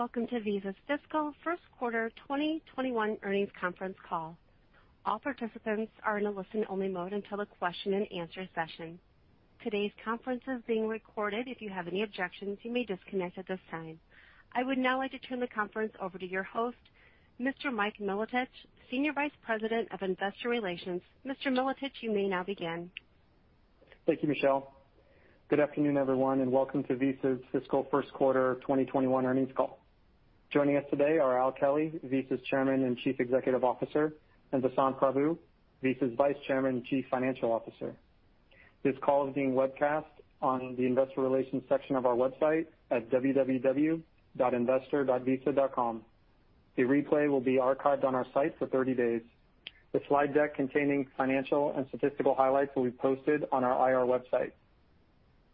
Welcome to Visa's fiscal first quarter 2021 earnings conference call. All participants are in a listen-only mode until the question and answer session. Today's conference is being recorded. If you have any objections, you may disconnect at this time. I would now like to turn the conference over to your host, Mr. Mike Milotich, Senior Vice President of Investor Relations. Mr. Milotich, you may now begin. Thank you, Michelle. Good afternoon, everyone, and welcome to Visa's fiscal first quarter 2021 earnings call. Joining us today are Al Kelly, Visa's Chairman and Chief Executive Officer, and Vasant Prabhu, Visa's Vice Chairman and Chief Financial Officer. This call is being webcast on the investor relations section of our website at www.investor.visa.com. A replay will be archived on our site for 30 days. The slide deck containing financial and statistical highlights will be posted on our IR website.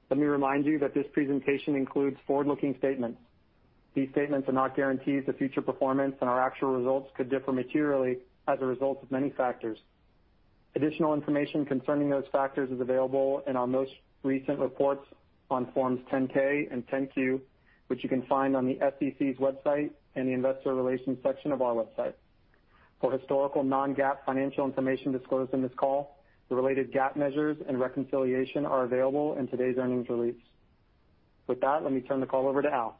Let me remind you that this presentation includes forward-looking statements. These statements are not guarantees of future performance, and our actual results could differ materially as a result of many factors. Additional information concerning those factors is available in our most recent reports on Forms 10-K and 10-Q, which you can find on the SEC's website and the investor relations section of our website. For historical non-GAAP financial information disclosed in this call, the related GAAP measures and reconciliation are available in today's earnings release. With that, let me turn the call over to Al.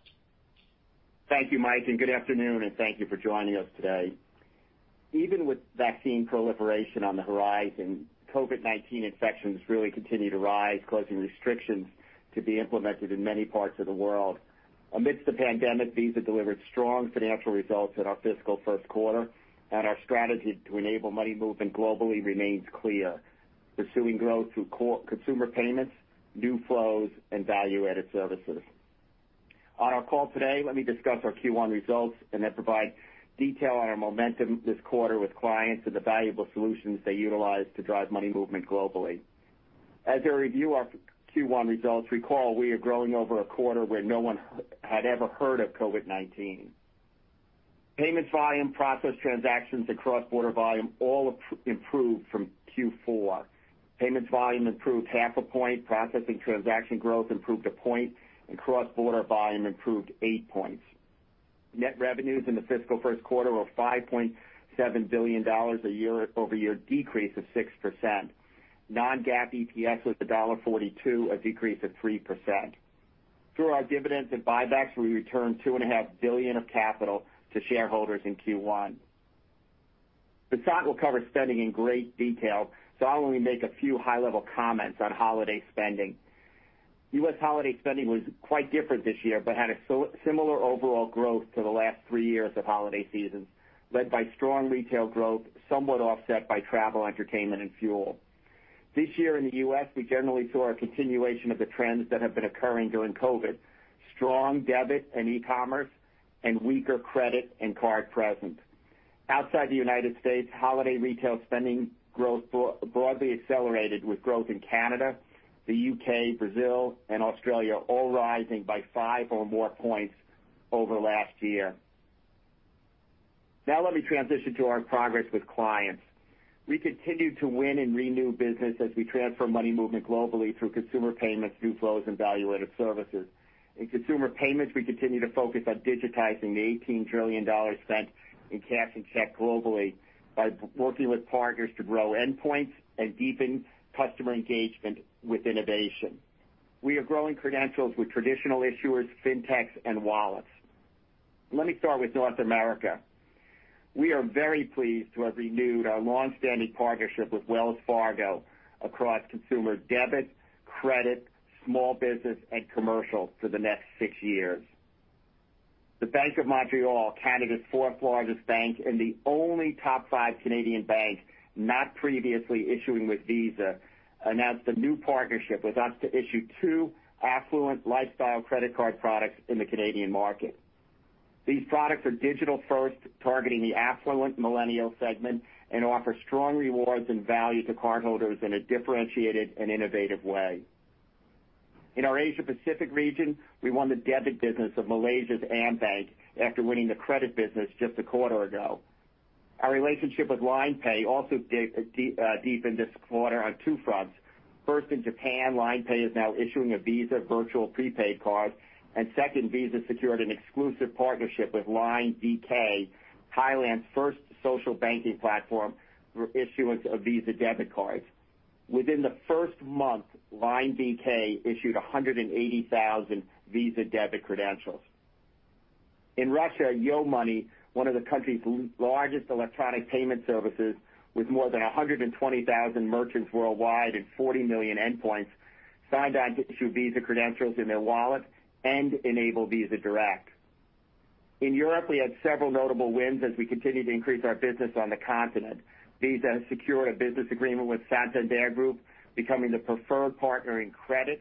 Thank you, Mike, and good afternoon, and thank you for joining us today. Even with vaccine proliferation on the horizon, COVID-19 infections really continue to rise, causing restrictions to be implemented in many parts of the world. Amidst the pandemic, Visa delivered strong financial results in our fiscal first quarter. Our strategy to enable money movement globally remains clear, pursuing growth through consumer payments, new flows, and value-added services. On our call today, let me discuss our Q1 results. Then provide detail on our momentum this quarter with clients and the valuable solutions they utilize to drive money movement globally. As I review our Q1 results, recall we are growing over a quarter where no one had ever heard of COVID-19. Payments volume, processed transactions, and cross-border volume all improved from Q4. Payments volume improved half a point, processing transaction growth improved a point, and cross-border volume improved eight points. Net revenues in the fiscal first quarter were $5.7 billion, a year-over-year decrease of 6%. Non-GAAP EPS was $1.42, a decrease of 3%. Through our dividends and buybacks, we returned $2.5 billion of capital to shareholders in Q1. Vasant will cover spending in great detail, so I'll only make a few high-level comments on holiday spending. U.S. holiday spending was quite different this year, but had a similar overall growth to the last three years of holiday seasons, led by strong retail growth, somewhat offset by travel, entertainment, and fuel. This year in the U.S., we generally saw a continuation of the trends that have been occurring during COVID, strong debit and e-commerce, and weaker credit and card present. Outside the U.S., holiday retail spending growth broadly accelerated with growth in Canada, the U.K., Brazil, and Australia all rising by five or more points over last year. Let me transition to our progress with clients. We continue to win and renew business as we transfer money movement globally through consumer payments, new flows, and value-added services. In consumer payments, we continue to focus on digitizing the $18 trillion spent in cash and check globally by working with partners to grow endpoints and deepen customer engagement with innovation. We are growing credentials with traditional issuers, fintechs, and wallets. Let me start with North America. We are very pleased to have renewed our long-standing partnership with Wells Fargo across consumer debit, credit, small business, and commercial for the next six years. The Bank of Montreal, Canada's fourth-largest bank and the only top five Canadian bank not previously issuing with Visa, announced a new partnership with us to issue two affluent lifestyle credit card products in the Canadian market. These products are digital-first, targeting the affluent millennial segment, and offer strong rewards and value to cardholders in a differentiated and innovative way. In our Asia Pacific region, we won the debit business of Malaysia's AmBank after winning the credit business just a quarter ago. Our relationship with LINE Pay also deepened this quarter on two fronts. First, in Japan, LINE Pay is now issuing a Visa virtual prepaid card, and second, Visa secured an exclusive partnership with LINE BK, Thailand's first social banking platform for issuance of Visa debit cards. Within the first month, LINE BK issued 180,000 Visa debit credentials. In Russia, YooMoney, one of the country's largest electronic payment services with more than 120,000 merchants worldwide and 40 million endpoints, signed on to issue Visa credentials in their wallet and enable Visa Direct. In Europe, we had several notable wins as we continue to increase our business on the continent. Visa secured a business agreement with Santander Group, becoming the preferred partner in credit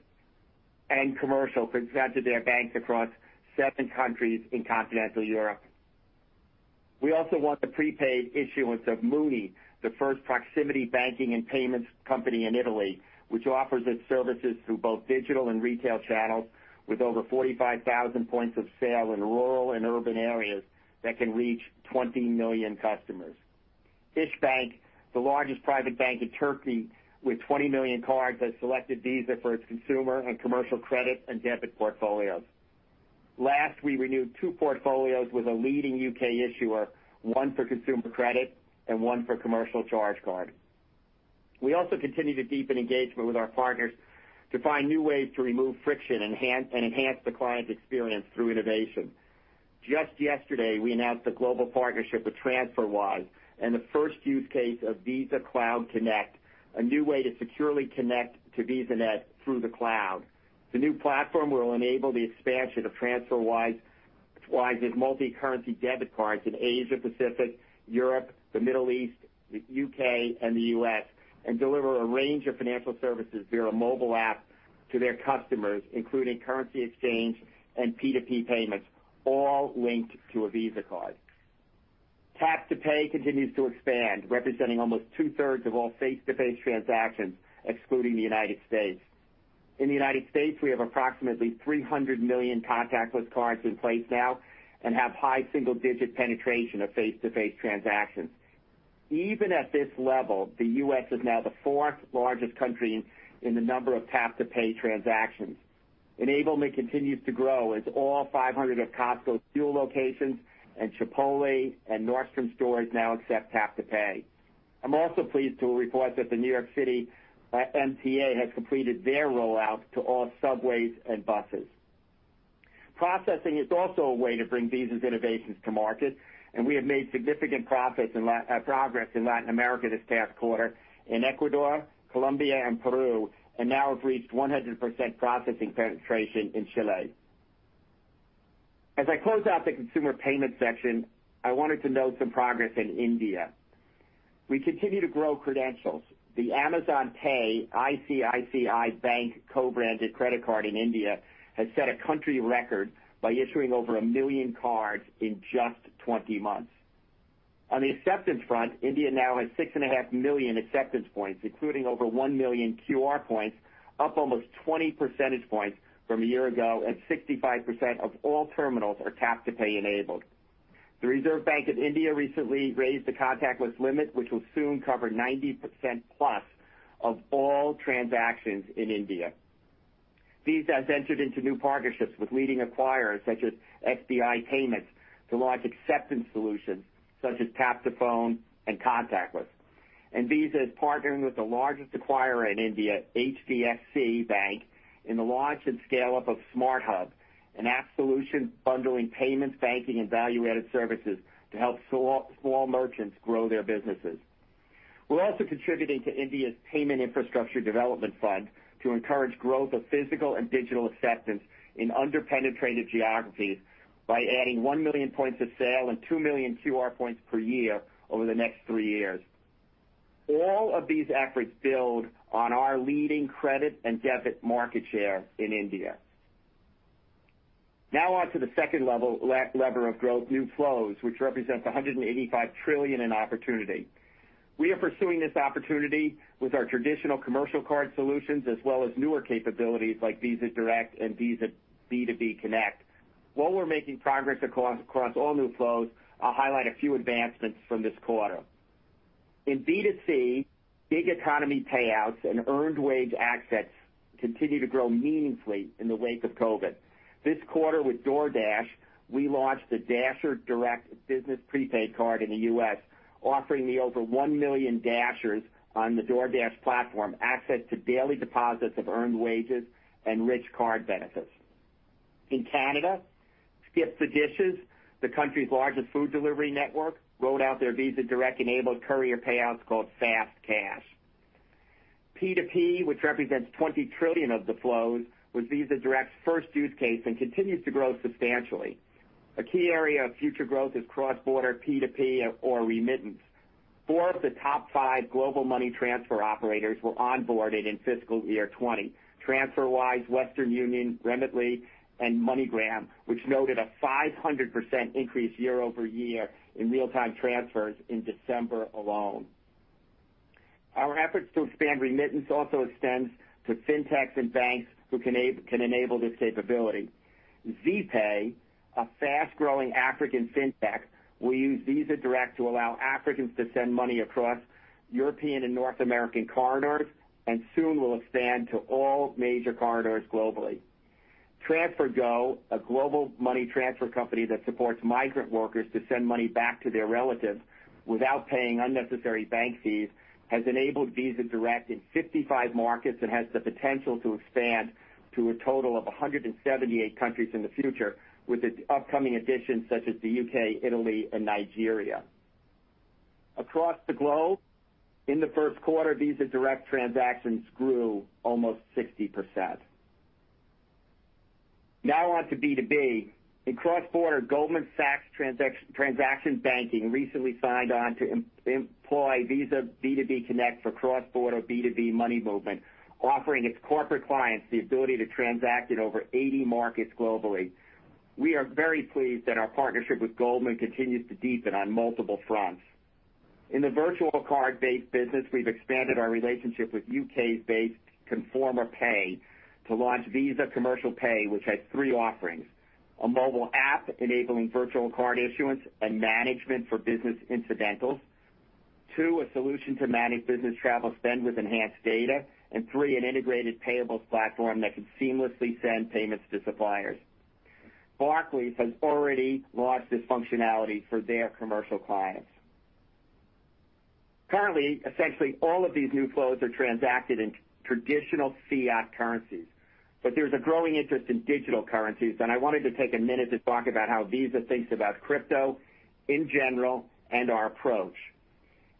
and commercial for Santander banks across seven countries in continental Europe. We also won the prepaid issuance of Mooney, the first proximity banking and payments company in Italy, which offers its services through both digital and retail channels with over 45,000 points of sale and in urban areas that can reach 20 million customers. İşbank, the largest private bank in Turkey with 20 million cards, has selected Visa for its consumer and commercial credit and debit portfolios. Last, we renewed two portfolios with a leading U.K. issuer, one for consumer credit and one for commercial charge card. We also continue to deepen engagement with our partners to find new ways to remove friction and enhance the client experience through innovation. Just yesterday, we announced a global partnership with TransferWise and the first use case of Visa Cloud Connect, a new way to securely connect to VisaNet through the cloud. The new platform will enable the expansion of TransferWise's multi-currency debit cards in Asia Pacific, Europe, the Middle East, the U.K., and the U.S., and deliver a range of financial services via a mobile app to their customers, including currency exchange and P2P payments, all linked to a Visa card. Tap to Pay continues to expand, representing almost two-thirds of all face-to-face transactions, excluding the United States. In the U.S., we have approximately 300 million contactless cards in place now and have high single-digit penetration of face-to-face transactions. Even at this level, the U.S. is now the fourth largest country in the number of Tap to Pay transactions. Enablement continues to grow as all 500 of Costco's fuel locations and Chipotle and Nordstrom stores now accept Tap to Pay. I'm also pleased to report that the New York City MTA has completed their rollout to all subways and buses. Processing is also a way to bring Visa's innovations to market, and we have made significant progress in Latin America this past quarter in Ecuador, Colombia, and Peru, and now have reached 100% processing penetration in Chile. As I close out the consumer payment section, I wanted to note some progress in India. We continue to grow credentials. The Amazon Pay ICICI Bank co-branded credit card in India has set a country record by issuing over 1 million cards in just 20 months. On the acceptance front, India now has 6.5 million acceptance points, including over 1 million QR points, up almost 20 percentage points from a year ago, and 65% of all terminals are tap-to-pay enabled. The Reserve Bank of India recently raised the contactless limit, which will soon cover 90% plus of all transactions in India. Visa has entered into new partnerships with leading acquirers such as FIS Payments to launch acceptance solutions such as Tap to Phone and contactless. Visa is partnering with the largest acquirer in India, HDFC Bank, in the launch and scale-up of SmartHub, an app solution bundling payments, banking, and value-added services to help small merchants grow their businesses. We're also contributing to India's Payments Infrastructure Development Fund to encourage growth of physical and digital acceptance in under-penetrated geographies by adding 1 million points of sale and 2 million QR points per year over the next three years. All of these efforts build on our leading credit and debit market share in India. Now on to the second lever of growth, new flows, which represents $185 trillion in opportunity. We are pursuing this opportunity with our traditional commercial card solutions as well as newer capabilities like Visa Direct and Visa B2B Connect. While we're making progress across all new flows, I'll highlight a few advancements from this quarter. In B2C, gig economy payouts and earned wage access continue to grow meaningfully in the wake of COVID. This quarter with DoorDash, we launched the DasherDirect business prepaid card in the U.S., offering the over 1 million Dashers on the DoorDash platform access to daily deposits of earned wages and rich card benefits. In Canada, SkipTheDishes, the country's largest food delivery network, rolled out their Visa Direct-enabled courier payouts called Fast Cash. P2P, which represents $20 trillion of the flows, was Visa Direct's first use case and continues to grow substantially. A key area of future growth is cross-border P2P or remittance. Four of the top five global money transfer operators were onboarded in fiscal year 2020. TransferWise, Western Union, Remitly, and MoneyGram, which noted a 500% increase year-over-year in real-time transfers in December alone. Our efforts to expand remittance also extends to fintechs and banks who can enable this capability. Zeepay, a fast-growing African fintech, will use Visa Direct to allow Africans to send money across European and North American corridors, and soon will expand to all major corridors globally. TransferGo, a global money transfer company that supports migrant workers to send money back to their relatives without paying unnecessary bank fees, has enabled Visa Direct in 55 markets and has the potential to expand to a total of 178 countries in the future with its upcoming additions such as the U.K., Italy, and Nigeria. Across the globe, in the first quarter, Visa Direct transactions grew almost 60%. Now on to B2B. In cross-border, Goldman Sachs Transaction Banking recently signed on to employ Visa B2B Connect for cross-border B2B money movement, offering its corporate clients the ability to transact in over 80 markets globally. We are very pleased that our partnership with Goldman continues to deepen on multiple fronts. In the virtual card-based business, we've expanded our relationship with U.K.-based Conferma Pay to launch Visa Commercial Pay, which has three offerings, a mobile app enabling virtual card issuance and management for business incidentals. Two. a solution to manage business travel spend with enhanced data. Three. an integrated payables platform that can seamlessly send payments to suppliers. Barclays has already launched this functionality for their commercial clients. Currently, essentially all of these new flows are transacted in traditional fiat currencies. There's a growing interest in digital currencies, I wanted to take a minute to talk about how Visa thinks about crypto in general and our approach.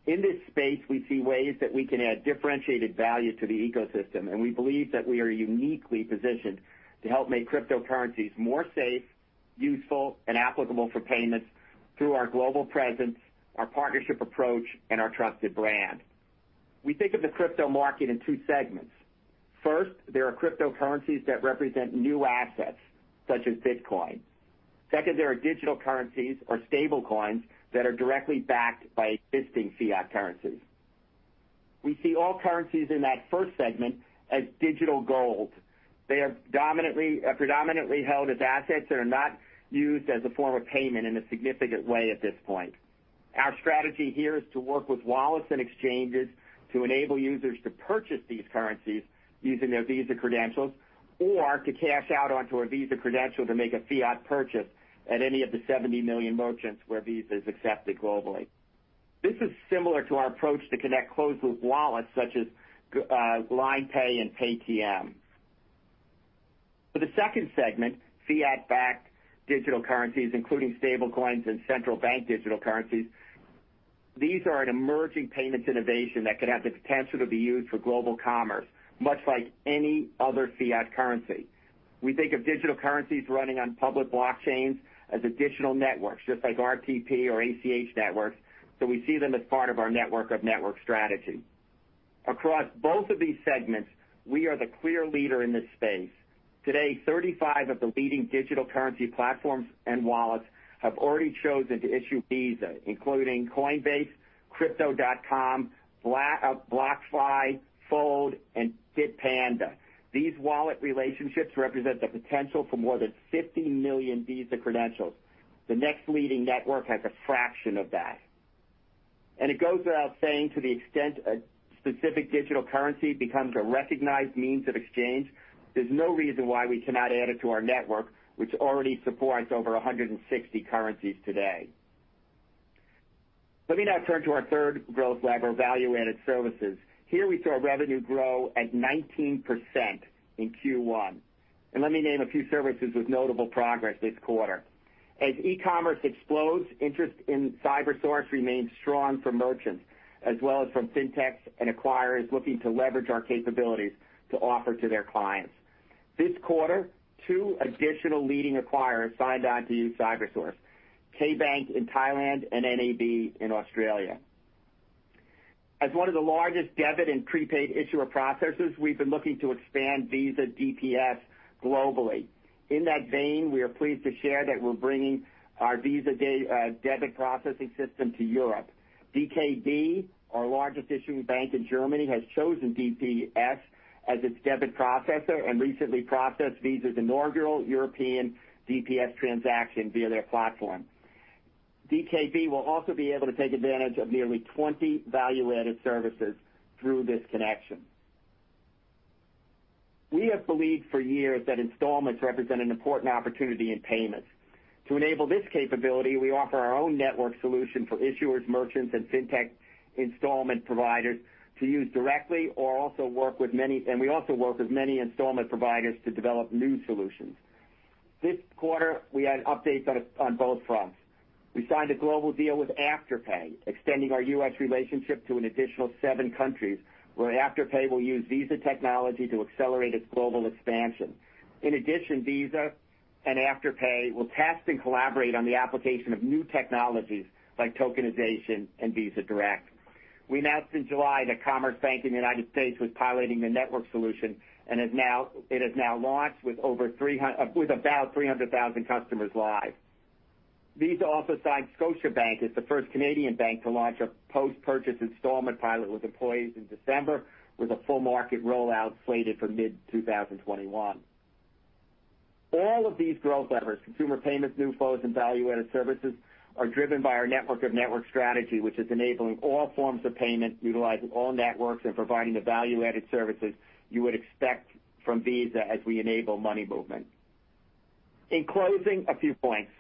In this space, we see ways that we can add differentiated value to the ecosystem. We believe that we are uniquely positioned to help make cryptocurrencies more safe, useful, and applicable for payments through our global presence, our partnership approach, and our trusted brand. We think of the crypto market in two segments. First, there are cryptocurrencies that represent new assets, such as Bitcoin. Second, there are digital currencies or stablecoins that are directly backed by existing fiat currencies. We see all currencies in that first segment as digital gold. They are predominantly held as assets that are not used as a form of payment in a significant way at this point. Our strategy here is to work with wallets and exchanges to enable users to purchase these currencies using their Visa credentials, or to cash out onto a Visa credential to make a fiat purchase at any of the 70 million merchants where Visa is accepted globally. This is similar to our approach to connect closed-loop wallets such as LINE Pay and Paytm. For the second segment, fiat-backed digital currencies, including stablecoins and central bank digital currencies, these are an emerging payments innovation that could have the potential to be used for global commerce, much like any other fiat currency. We think of digital currencies running on public blockchains as additional networks, just like RTP or ACH networks. We see them as part of our network of network strategy. Across both of these segments, we are the clear leader in this space. Today, 35 of the leading digital currency platforms and wallets have already chosen to issue Visa, including Coinbase, Crypto.com, BlockFi, Fold, and Bitpanda. These wallet relationships represent the potential for more than 50 million Visa credentials. The next leading network has a fraction of that. It goes without saying, to the extent a specific digital currency becomes a recognized means of exchange, there's no reason why we cannot add it to our network, which already supports over 160 currencies today. Let me now turn to our third growth lever, value-added services. Here we saw revenue grow at 19% in Q1. Let me name a few services with notable progress this quarter. As e-commerce explodes, interest in CyberSource remains strong for merchants as well as from fintechs and acquirers looking to leverage our capabilities to offer to their clients. This quarter, two additional leading acquirers signed on to use CyberSource, KBank in Thailand and NAB in Australia. As one of the largest debit and prepaid issuer processors, we've been looking to expand Visa DPS globally. In that vein, we are pleased to share that we're bringing our Visa Debit Processing Service to Europe. DKB, our largest issuing bank in Germany, has chosen DPS as its debit processor and recently processed Visa's inaugural European DPS transaction via their platform. DKB will also be able to take advantage of nearly 20 value-added services through this connection. We have believed for years that installments represent an important opportunity in payments. To enable this capability, we offer our own network solution for issuers, merchants, and fintech installment providers to use directly, and we also work with many installment providers to develop new solutions. This quarter, we had updates on both fronts. We signed a global deal with Afterpay, extending our U.S. relationship to an additional seven countries, where Afterpay will use Visa technology to accelerate its global expansion. In addition, Visa and Afterpay will test and collaborate on the application of new technologies like tokenization and Visa Direct. We announced in July that Commerce Bank in the United States was piloting the network solution, and it has now launched with about 300,000 customers live. Visa also signed Scotiabank as the first Canadian bank to launch a post-purchase installment pilot with employees in December, with a full market rollout slated for mid-2021. All of these growth levers, consumer payments, new flows, and value-added services, are driven by our network of network strategy, which is enabling all forms of payment, utilizing all networks, and providing the value-added services you would expect from Visa as we enable money movement. In closing, a few points.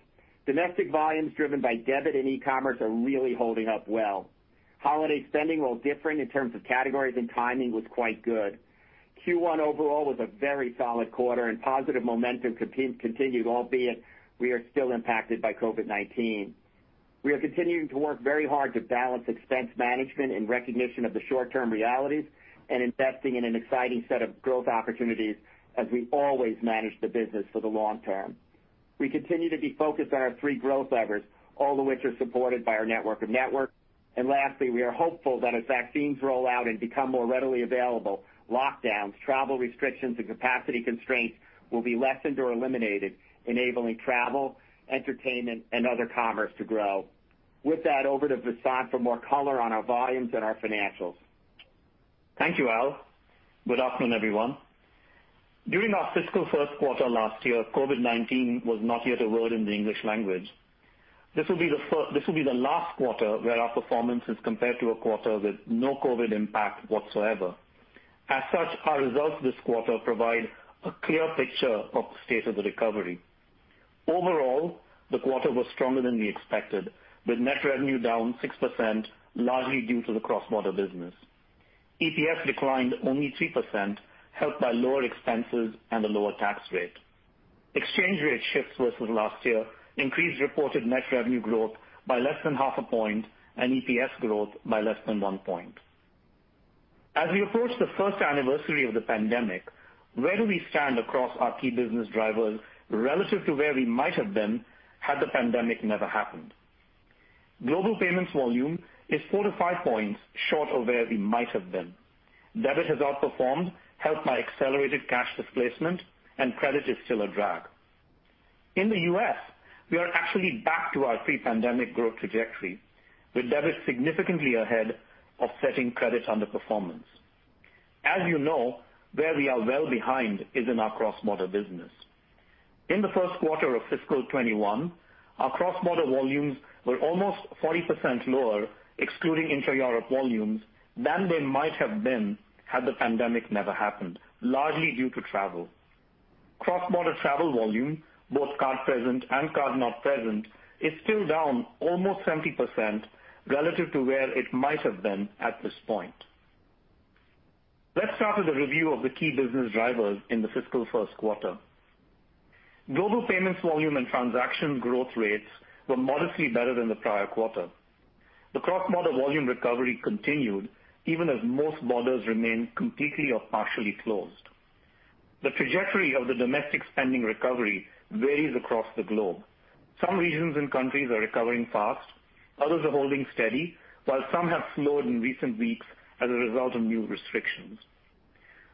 Domestic volumes driven by debit and e-commerce are really holding up well. Holiday spending, while differing in terms of categories and timing, was quite good. Q1 overall was a very solid quarter and positive momentum continued, albeit we are still impacted by COVID-19. We are continuing to work very hard to balance expense management in recognition of the short-term realities and investing in an exciting set of growth opportunities as we always manage the business for the long term. We continue to be focused on our three growth levers, all of which are supported by our network of network. Lastly, we are hopeful that as vaccines roll out and become more readily available, lockdowns, travel restrictions, and capacity constraints will be lessened or eliminated, enabling travel, entertainment, and other commerce to grow. With that, over to Vasant for more color on our volumes and our financials. Thank you, Al. Good afternoon, everyone. During our fiscal first quarter last year, COVID-19 was not yet a word in the English language. This will be the last quarter where our performance is compared to a quarter with no COVID impact whatsoever. As such, our results this quarter provide a clear picture of the state of the recovery. Overall, the quarter was stronger than we expected, with net revenue down 6%, largely due to the cross-border business. EPS declined only 3%, helped by lower expenses and a lower tax rate. Exchange rate shifts versus last year increased reported net revenue growth by less than half a point, and EPS growth by less than one point. As we approach the first anniversary of the pandemic, where do we stand across our key business drivers relative to where we might have been had the pandemic never happened? Global payments volume is four to five points short of where we might have been. Debit has outperformed, helped by accelerated cash displacement. Credit is still a drag. In the U.S., we are actually back to our pre-pandemic growth trajectory, with debit significantly ahead of setting credit underperformance. As you know, where we are well behind is in our cross-border business. In the first quarter of fiscal 2021, our cross-border volumes were almost 40% lower, excluding intra-Europe volumes, than they might have been had the pandemic never happened, largely due to travel. Cross-border travel volume, both card present and card not present, is still down almost 70% relative to where it might have been at this point. Let's start with a review of the key business drivers in the fiscal first quarter. Global payments volume and transaction growth rates were modestly better than the prior quarter. The cross-border volume recovery continued, even as most borders remain completely or partially closed. The trajectory of the domestic spending recovery varies across the globe. Some regions and countries are recovering fast, others are holding steady, while some have slowed in recent weeks as a result of new restrictions.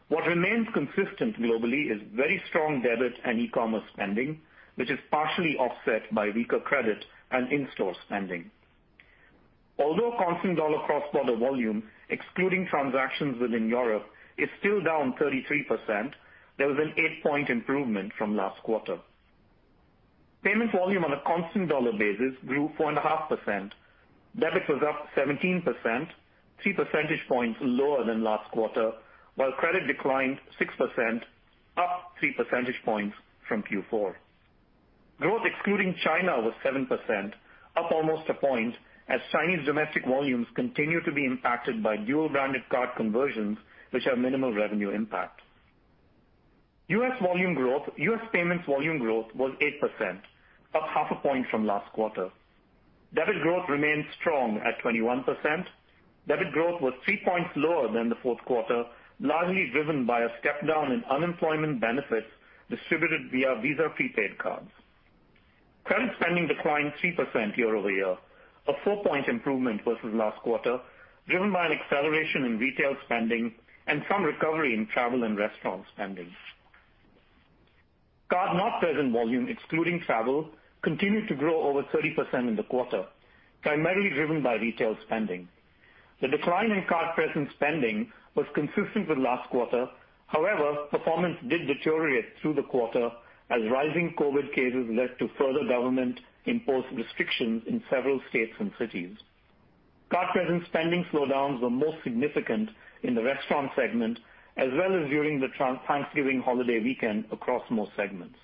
What remains consistent globally is very strong debit and e-commerce spending, which is partially offset by weaker credit and in-store spending. Although constant dollar cross-border volume, excluding transactions within Europe, is still down 33%, there was an eight-point improvement from last quarter. Payment volume on a constant dollar basis grew 4.5%. Debit was up 17%, 3 percentage points lower than last quarter, while credit declined 6%, up 3 percentage points from Q4. Growth excluding China was 7%, up almost one point as Chinese domestic volumes continue to be impacted by dual-branded card conversions, which have minimal revenue impact. U.S. payments volume growth was 8%, up half a point from last quarter. Debit growth remained strong at 21%. Debit growth was three points lower than the fourth quarter, largely driven by a step-down in unemployment benefits distributed via Visa prepaid cards. Credit spending declined 3% year-over-year, a four-point improvement versus last quarter, driven by an acceleration in retail spending and some recovery in travel and restaurant spending. Card-not-present volume, excluding travel, continued to grow over 30% in the quarter, primarily driven by retail spending. The decline in card-present spending was consistent with last quarter. However, performance did deteriorate through the quarter as rising COVID cases led to further government-imposed restrictions in several states and cities. Card-present spending slowdowns were most significant in the restaurant segment, as well as during the Thanksgiving holiday weekend across most segments.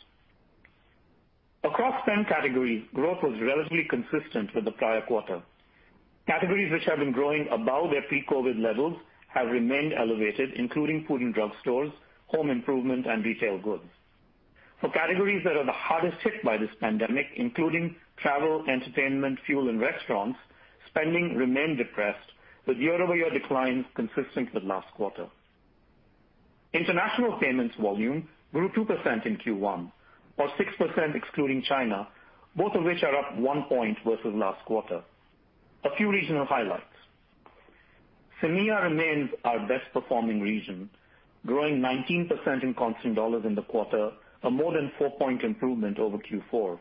Across spend category, growth was relatively consistent with the prior quarter. Categories which have been growing above their pre-COVID levels have remained elevated, including food and drug stores, home improvement, and retail goods. For categories that are the hardest hit by this pandemic, including travel, entertainment, fuel, and restaurants, spending remained depressed, with year-over-year declines consistent with last quarter. International payments volume grew 2% in Q1, or 6% excluding China, both of which are up one point versus last quarter. A few regional highlights. CEMEA remains our best-performing region, growing 19% in constant dollars in the quarter, a more than four-point improvement over Q4.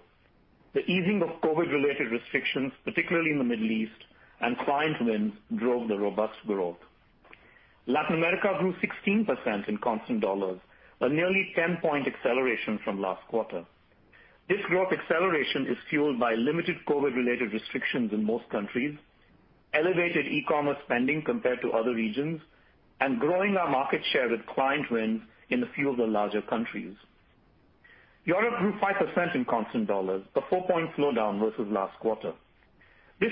The easing of COVID-related restrictions, particularly in the Middle East, and client wins drove the robust growth. Latin America grew 16% in constant dollars, a nearly 10-point acceleration from last quarter. This growth acceleration is fueled by limited COVID-related restrictions in most countries, elevated e-commerce spending compared to other regions, and growing our market share with client wins in a few of the larger countries. Europe grew 5% in constant dollars, a four-point slowdown versus last quarter. This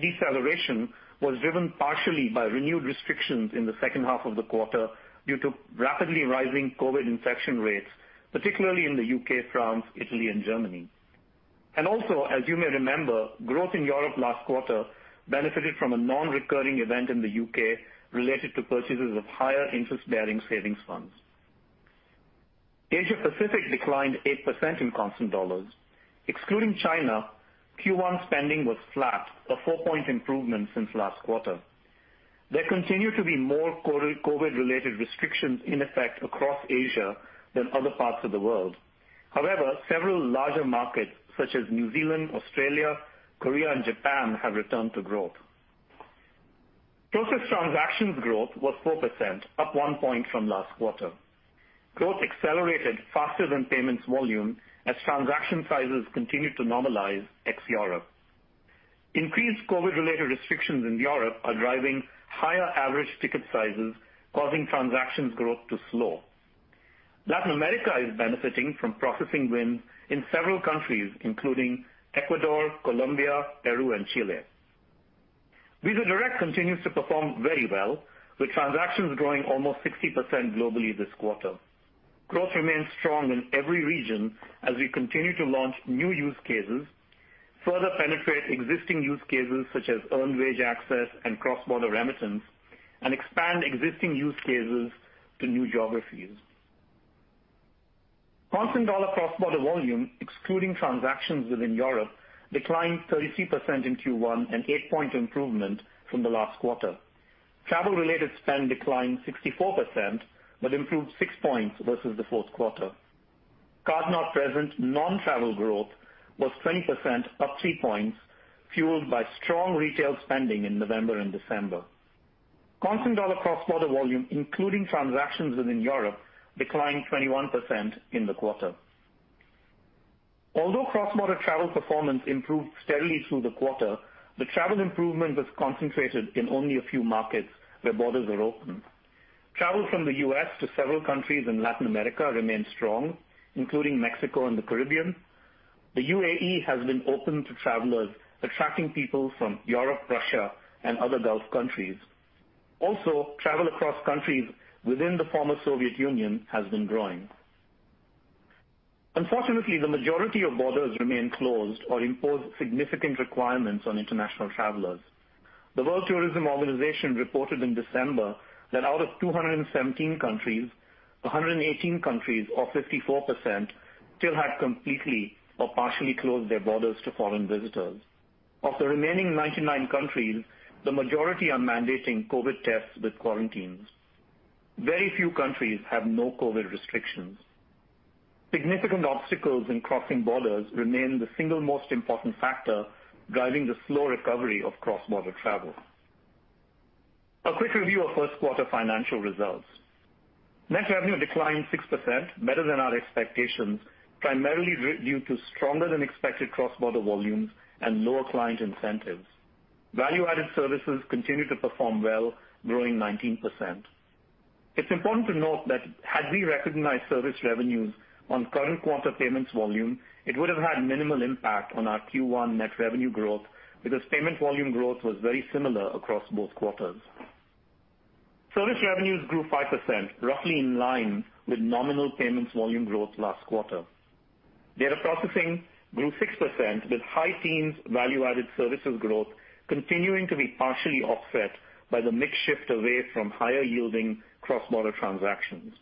deceleration was driven partially by renewed restrictions in the second half of the quarter due to rapidly rising COVID infection rates, particularly in the U.K., France, Italy, and Germany. Also, as you may remember, growth in Europe last quarter benefited from a non-recurring event in the U.K. related to purchases of higher interest-bearing savings funds. Asia Pacific declined 8% in constant dollars. Excluding China, Q1 spending was flat, a four-point improvement since last quarter. There continue to be more COVID-related restrictions in effect across Asia than other parts of the world. However, several larger markets such as New Zealand, Australia, Korea, and Japan have returned to growth. Processed transactions growth was 4%, up one point from last quarter. Growth accelerated faster than payments volume as transaction sizes continued to normalize ex-Europe. Increased COVID-related restrictions in Europe are driving higher average ticket sizes, causing transactions growth to slow. Latin America is benefiting from processing wins in several countries, including Ecuador, Colombia, Peru, and Chile. Visa Direct continues to perform very well, with transactions growing almost 60% globally this quarter. Growth remains strong in every region as we continue to launch new use cases, further penetrate existing use cases such as earned wage access and cross-border remittance, and expand existing use cases to new geographies. Constant dollar cross-border volume, excluding transactions within Europe, declined 33% in Q1, an eight-point improvement from the last quarter. Travel-related spend declined 64%, but improved six points versus the fourth quarter. Card not present non-travel growth was 20%, up three points, fueled by strong retail spending in November and December. Constant dollar cross-border volume, including transactions within Europe, declined 21% in the quarter. Although cross-border travel performance improved steadily through the quarter, the travel improvement was concentrated in only a few markets where borders are open. Travel from the U.S. to several countries in Latin America remains strong, including Mexico and the Caribbean. The UAE has been open to travelers, attracting people from Europe, Russia, and other Gulf countries. Also, travel across countries within the former Soviet Union has been growing. Unfortunately, the majority of borders remain closed or impose significant requirements on international travelers. The World Tourism Organization reported in December that out of 217 countries, 118 countries or 54% still had completely or partially closed their borders to foreign visitors. Of the remaining 99 countries, the majority are mandating COVID tests with quarantines. Very few countries have no COVID restrictions. Significant obstacles in crossing borders remain the single most important factor driving the slow recovery of cross-border travel. A quick review of first-quarter financial results. Net revenue declined 6%, better than our expectations, primarily due to stronger-than-expected cross-border volumes and lower client incentives. Value-added services continued to perform well, growing 19%. It's important to note that had we recognized service revenues on current quarter payments volume, it would have had minimal impact on our Q1 net revenue growth because payment volume growth was very similar across both quarters. Service revenues grew 5%, roughly in line with nominal payments volume growth last quarter. Data processing grew 6%, with high teens value-added services growth continuing to be partially offset by the mix shift away from higher-yielding cross-border transactions.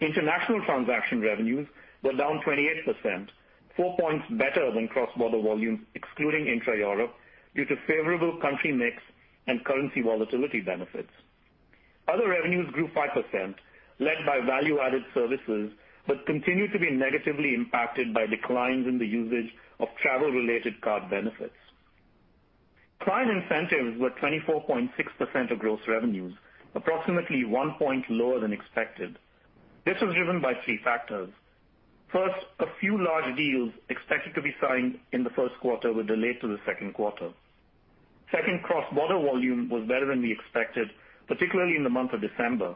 International transaction revenues were down 28%, four points better than cross-border volumes excluding intra-Europe due to favorable country mix and currency volatility benefits. Continued to be negatively impacted by declines in the usage of travel-related card benefits. Client incentives were 24.6% of gross revenues, approximately one point lower than expected. This was driven by three factors. First, a few large deals expected to be signed in the first quarter were delayed to the second quarter. Second, cross-border volume was better than we expected, particularly in the month of December.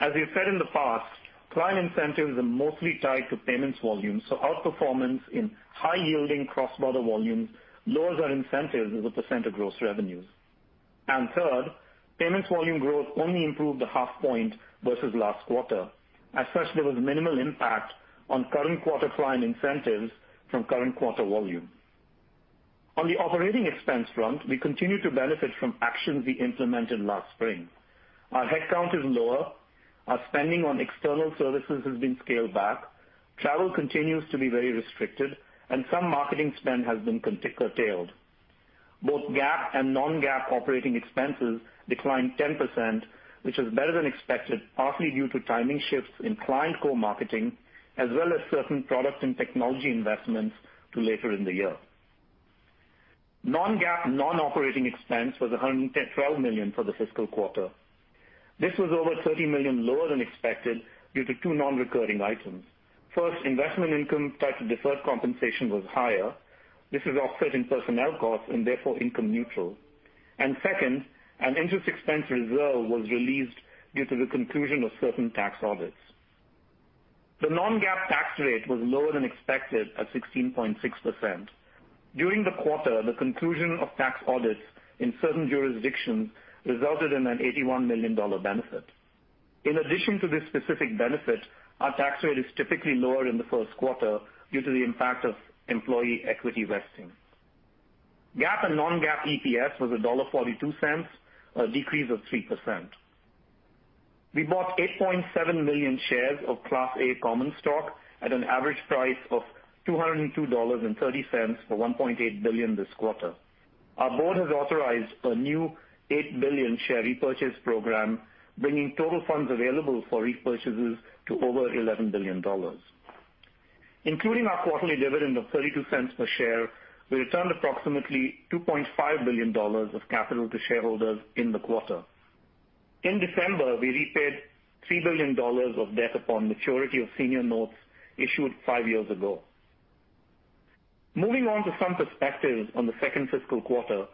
As we've said in the past, client incentives are mostly tied to payments volume, so outperformance in high-yielding cross-border volumes lowers our incentives as a percent of gross revenues. Third, payments volume growth only improved a half point versus last quarter. As such, there was minimal impact on current quarter client incentives from current quarter volume. On the operating expense front, we continue to benefit from actions we implemented last spring. Our headcount is lower, our spending on external services has been scaled back, travel continues to be very restricted, and some marketing spend has been curtailed. Both GAAP and non-GAAP operating expenses declined 10%, which was better than expected, partly due to timing shifts in client co-marketing, as well as certain product and technology investments to later in the year. Non-GAAP non-operating expense was $112 million for the fiscal quarter. This was over $30 million lower than expected due to two non-recurring items. Investment income tied to deferred compensation was higher. This was offset in personnel costs and therefore income neutral. Second, an interest expense reserve was released due to the conclusion of certain tax audits. The non-GAAP tax rate was lower than expected at 16.6%. During the quarter, the conclusion of tax audits in certain jurisdictions resulted in an $81 million benefit. In addition to this specific benefit, our tax rate is typically lower in the first quarter due to the impact of employee equity vesting. GAAP and non-GAAP EPS was $1.42, a decrease of 3%. We bought 8.7 million shares of Class A common stock at an average price of $202.30 for $1.8 billion this quarter. Our board has authorized a new 8 billion share repurchase program, bringing total funds available for repurchases to over $11 billion. Including our quarterly dividend of $0.32 per share, we returned approximately $2.5 billion of capital to shareholders in the quarter. In December, we repaid $3 billion of debt upon maturity of senior notes issued five years ago. Moving on to some perspectives on the second fiscal quarter,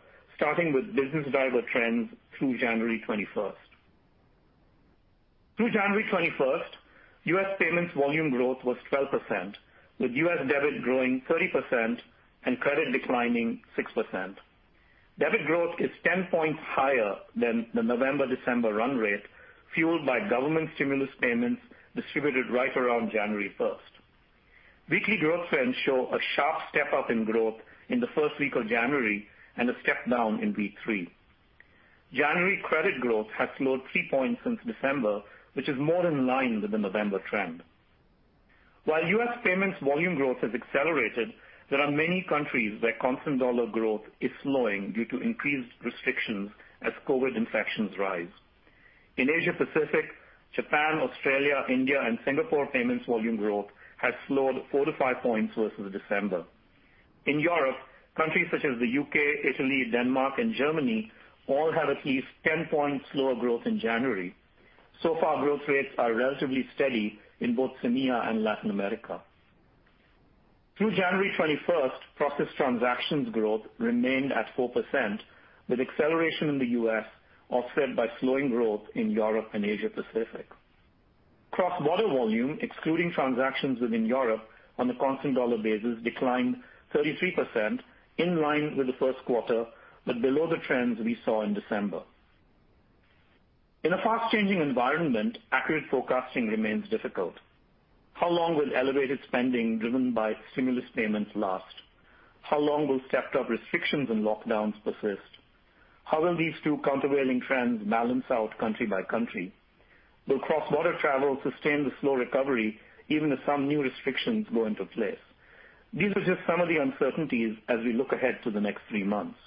starting with business driver trends through January 21st. Through January 21st, U.S. payments volume growth was 12%, with U.S. debit growing 30% and credit declining 6%. Debit growth is 10 points higher than the November-December run rate, fueled by government stimulus payments distributed right around January 1st. Weekly growth trends show a sharp step-up in growth in the first week of January and a step-down in week three. January credit growth has slowed three points since December, which is more in line with the November trend. While U.S. payments volume growth has accelerated, there are many countries where constant dollar growth is slowing due to increased restrictions as COVID-19 infections rise. In Asia Pacific, Japan, Australia, India, and Singapore payments volume growth has slowed four to five points versus December. In Europe, countries such as the U.K., Italy, Denmark, and Germany all have at least 10-point slower growth in January. So far, growth rates are relatively steady in both CEMEA and Latin America. Through January 21st, processed transactions growth remained at 4%, with acceleration in the U.S. offset by slowing growth in Europe and Asia Pacific. Cross-border volume, excluding transactions within Europe on a constant dollar basis, declined 33%, in line with the first quarter, but below the trends we saw in December. In a fast-changing environment, accurate forecasting remains difficult. How long will elevated spending driven by stimulus payments last? How long will stepped-up restrictions and lockdowns persist? How will these two countervailing trends balance out country by country? Will cross-border travel sustain the slow recovery even as some new restrictions go into place? These are just some of the uncertainties as we look ahead to the next three months.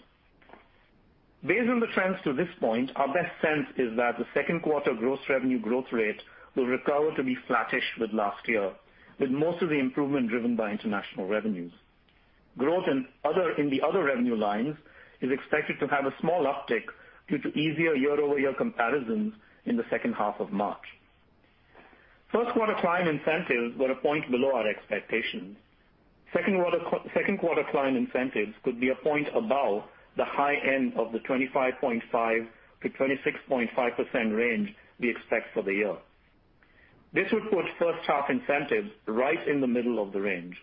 Based on the trends to this point, our best sense is that the second quarter gross revenue growth rate will recover to be flattish with last year, with most of the improvement driven by international revenues. Growth in the other revenue lines is expected to have a small uptick due to easier year-over-year comparisons in the second half of March. First quarter client incentives were one point below our expectations. Second quarter client incentives could be one point above the high end of the 25.5%-26.5% range we expect for the year. This would put first-half incentives right in the middle of the range.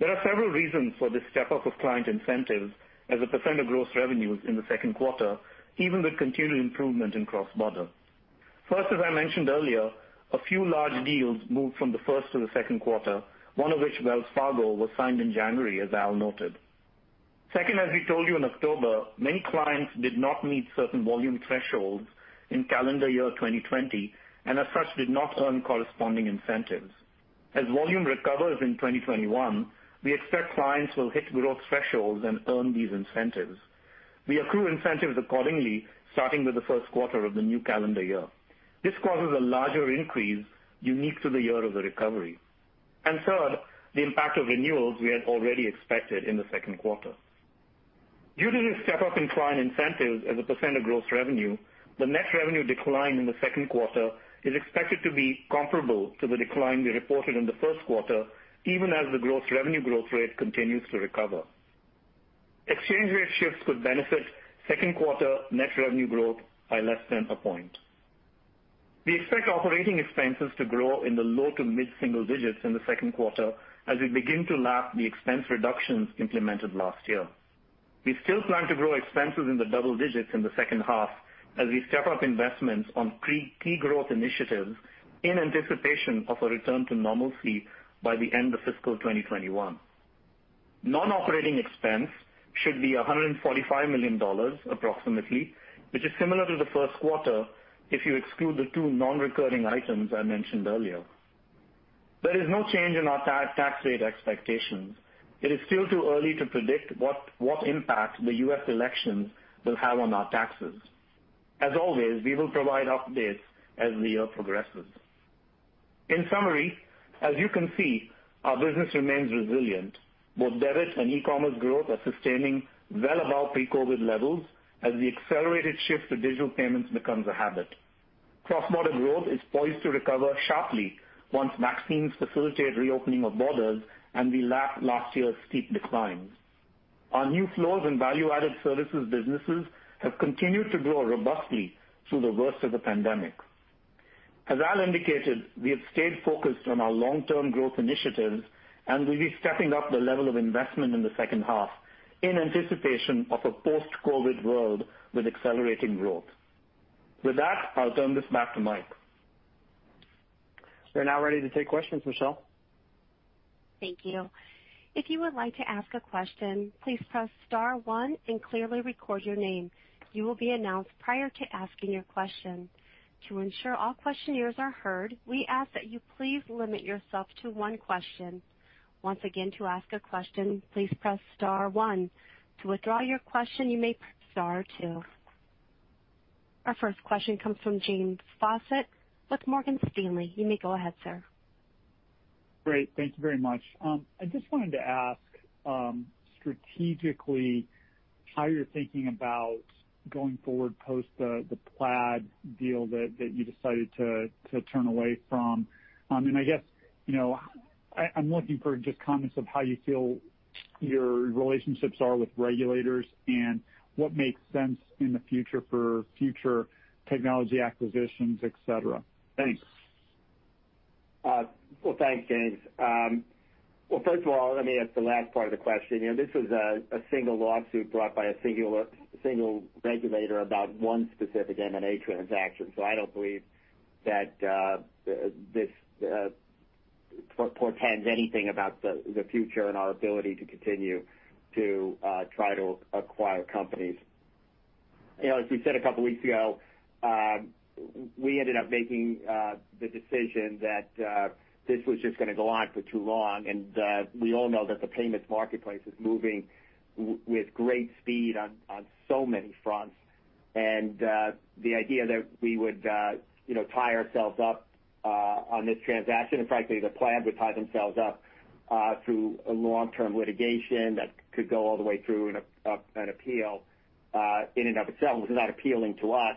There are several reasons for this step-up of client incentives as a percent of gross revenues in the second quarter, even with continued improvement in cross-border. As I mentioned earlier, a few large deals moved from the first to the second quarter, one of which, Wells Fargo, was signed in January, as Al noted. As we told you in October, many clients did not meet certain volume thresholds in calendar year 2020, and as such, did not earn corresponding incentives. As volume recovers in 2021, we expect clients will hit growth thresholds and earn these incentives. We accrue incentives accordingly, starting with the first quarter of the new calendar year. This causes a larger increase unique to the year of the recovery. Third, the impact of renewals we had already expected in the second quarter. Due to the step-up in client incentives as a percent of gross revenue, the net revenue decline in the second quarter is expected to be comparable to the decline we reported in the first quarter, even as the revenue growth rate continues to recover. Exchange rate shifts could benefit second quarter net revenue growth by less than a point. We expect OpEx to grow in the low to mid-single digits in the second quarter as we begin to lap the expense reductions implemented last year. We still plan to grow expenses in the double digits in the second half as we step up investments on key growth initiatives in anticipation of a return to normalcy by the end of fiscal 2021. Non-operating expense should be $145 million approximately, which is similar to the first quarter if you exclude the two non-recurring items I mentioned earlier. There is no change in our tax rate expectations. It is still too early to predict what impact the U.S. elections will have on our taxes. As always, we will provide updates as the year progresses. In summary, as you can see, our business remains resilient. Both debit and e-commerce growth are sustaining well above pre-COVID-19 levels as the accelerated shift to digital payments becomes a habit. Cross-border growth is poised to recover sharply once vaccines facilitate reopening of borders and we lap last year's steep declines. Our new flows and value-added services businesses have continued to grow robustly through the worst of the pandemic. As Al indicated, we have stayed focused on our long-term growth initiatives, we'll be stepping up the level of investment in the second half in anticipation of a post-COVID-19 world with accelerating growth. With that, I'll turn this back to Mike. We're now ready to take questions, Michelle. Thank you. If you would like to ask a question, please press star one and clearly record your name. You will be announced prior to asking your question. To ensure all questioners are heard, we ask that you please limit yourself to one question. Once again, to ask a question, please press star one. To withdraw your question, you may press star two. Our first question comes from James Faucette with Morgan Stanley. You may go ahead, sir. Great. Thank you very much. I just wanted to ask strategically how you're thinking about going forward post the Plaid deal that you decided to turn away from. I'm looking for just comments of how you feel your relationships are with regulators and what makes sense in the future for future technology acquisitions, et cetera. Thanks. Well, thanks, James. First of all, let me ask the last part of the question. This was a single lawsuit brought by a single regulator about one specific M&A transaction. I don't believe that this portends anything about the future and our ability to continue to try to acquire companies. As we said a couple of weeks ago, we ended up making the decision that this was just going to go on for too long. We all know that the payments marketplace is moving with great speed on so many fronts. The idea that we would tie ourselves up on this transaction, and frankly, that Plaid would tie themselves up to a long-term litigation that could go all the way through an appeal in and of itself was not appealing to us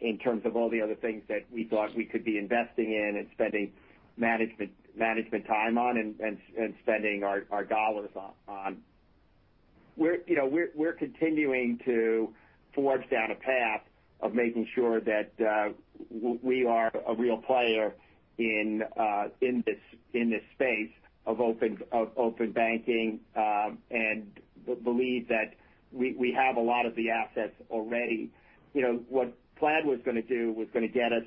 in terms of all the other things that we thought we could be investing in and spending management time on and spending our dollars on. We're continuing to forge down a path of making sure that we are a real player in this space of open banking and believe that we have a lot of the assets already. What Plaid was going to do was going to get us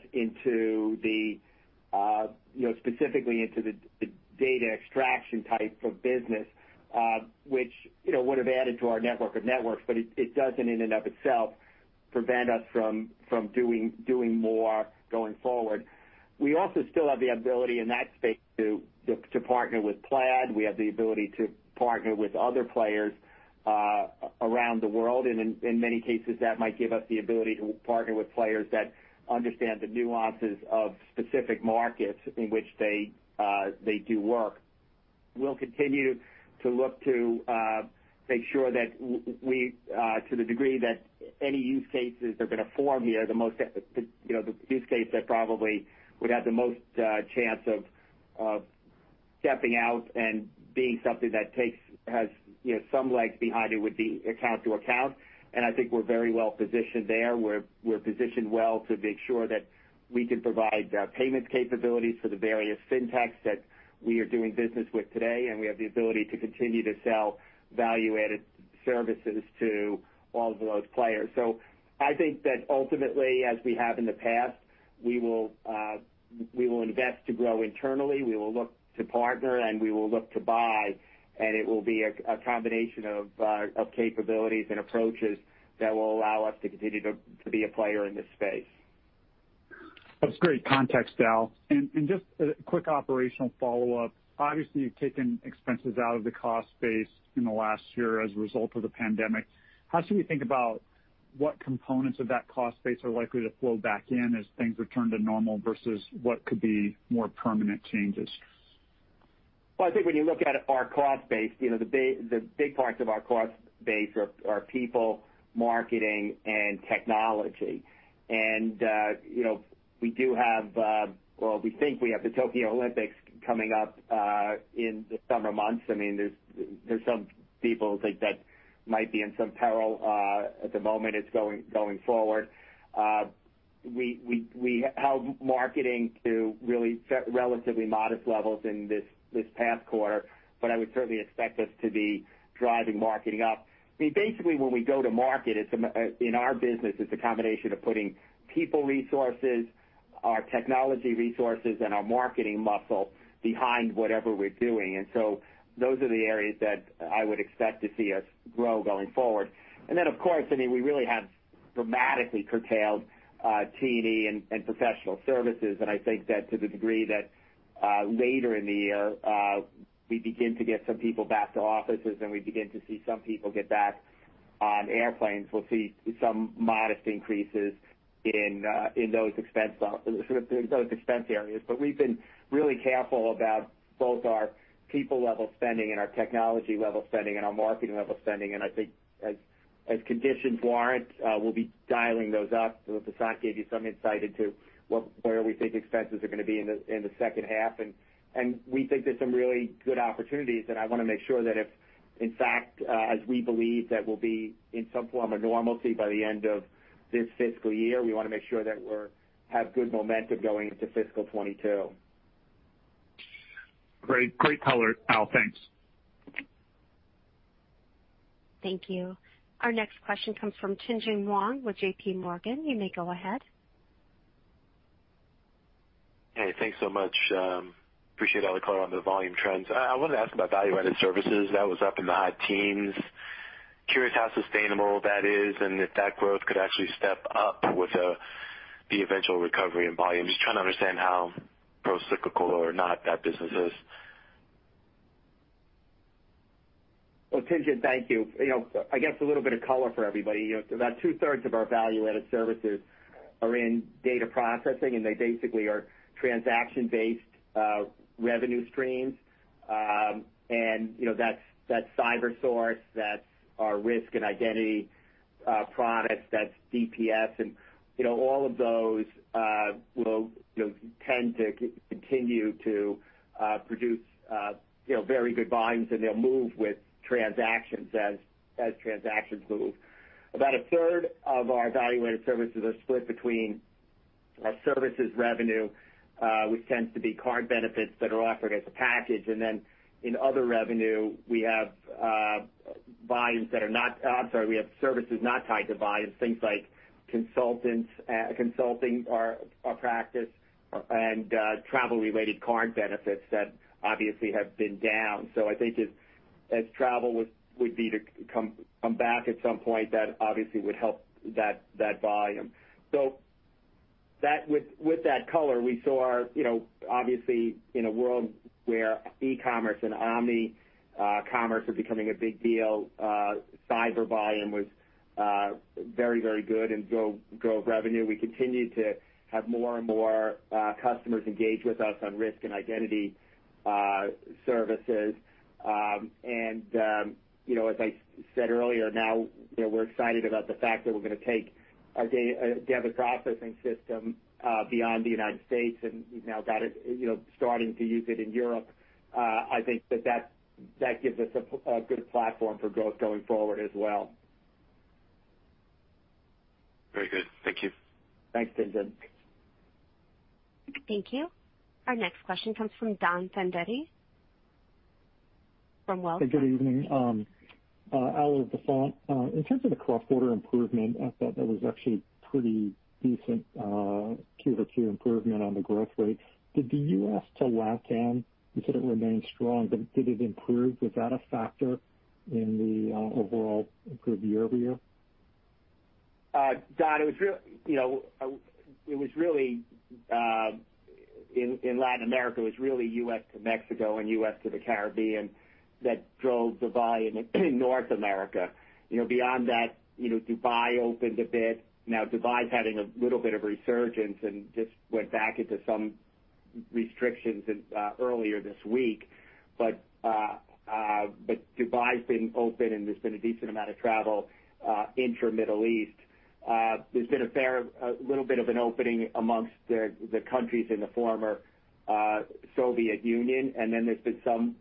specifically into the data extraction type of business which would have added to our network of networks, but it doesn't in and of itself prevent us from doing more going forward. We also still have the ability in that space to partner with Plaid. We have the ability to partner with other players around the world, and in many cases, that might give us the ability to partner with players that understand the nuances of specific markets in which they do work. We'll continue to look to make sure that to the degree that any use cases are going to form here, the use case that probably would have the most chance of stepping out and being something that has some legs behind it would be account to account. I think we're very well positioned there. We're positioned well to make sure that we can provide payment capabilities for the various fintechs that we are doing business with today, and we have the ability to continue to sell value-added services to all of those players. I think that ultimately, as we have in the past, we will invest to grow internally. We will look to partner, and we will look to buy, and it will be a combination of capabilities and approaches that will allow us to continue to be a player in this space. That's great context, Al. Just a quick operational follow-up. Obviously, you've taken expenses out of the cost base in the last year as a result of the pandemic. How should we think about what components of that cost base are likely to flow back in as things return to normal versus what could be more permanent changes? Well, I think when you look at our cost base, the big parts of our cost base are people, marketing, and technology. We think we have the Tokyo Olympics coming up in the summer months. There's some people think that might be in some peril at the moment. It's going forward. We held marketing to really relatively modest levels in this past quarter, I would certainly expect us to be driving marketing up. Basically, when we go to market in our business, it's a combination of putting people resources, our technology resources, and our marketing muscle behind whatever we're doing. Those are the areas that I would expect to see us grow going forward. Then, of course, we really have dramatically curtailed T&E and professional services. I think that to the degree that later in the year we begin to get some people back to offices and we begin to see some people get back on airplanes, we'll see some modest increases in those expense areas. We've been really careful about both our people-level spending and our technology-level spending and our marketing-level spending. I think as conditions warrant, we'll be dialing those up. Vasant gave you some insight into where we think expenses are going to be in the second half. We think there's some really good opportunities, and I want to make sure that if, in fact, as we believe that we'll be in some form of normalcy by the end of this fiscal year, we want to make sure that we have good momentum going into fiscal 2022. Great color, Al. Thanks. Thank you. Our next question comes from Tien-Tsin Huang with JPMorgan. You may go ahead. Hey, thanks so much. Appreciate all the color on the volume trends. I wanted to ask about value-added services. That was up in the high teens. Curious how sustainable that is and if that growth could actually step up with the eventual recovery in volume. Just trying to understand how procyclical or not that business is. Tien-Tsin, thank you. I guess a little bit of color for everybody. About 2/3 of our value-added services are in data processing, they basically are transaction-based revenue streams. That's CyberSource, that's our risk and identity products, that's DPS, all of those will tend to continue to produce very good volumes, and they'll move with transactions as transactions move. About a third of our value-added services are split between our services revenue which tends to be card benefits that are offered as a package. Then in other revenue, we have services not tied to volumes, things like consulting our practice and travel-related card benefits that obviously have been down. I think as travel would be to come back at some point, that obviously would help that volume. With that color, we saw, obviously, in a world where e-commerce and omni-commerce are becoming a big deal, cyber volume was very good and drove revenue. We continued to have more and more customers engage with us on risk and identity services. As I said earlier, now we're excited about the fact that we're going to take our data processing system beyond the United States, and we've now got it starting to use it in Europe. I think that gives us a good platform for growth going forward as well. Very good. Thank you. Thanks, Tien-Tsin. Thank you. Our next question comes from Don Fandetti from Wells Fargo. Hey, good evening. Al or Vasant, in terms of the cross-border improvement, I thought that was actually pretty decent quarter-over-quarter improvement on the growth rate. Did the U.S. to LatAm, you said it remained strong, did it improve? Was that a factor in the overall improved year-over-year? Don, in Latin America, it was really U.S. to Mexico and U.S. to the Caribbean that drove the volume in North America. Beyond that, Dubai opened a bit. Dubai's having a little bit of resurgence and just went back into some restrictions earlier this week. Dubai's been open, and there's been a decent amount of travel intra-Middle East. There's been a little bit of an opening amongst the countries in the former Soviet Union, and then there's been some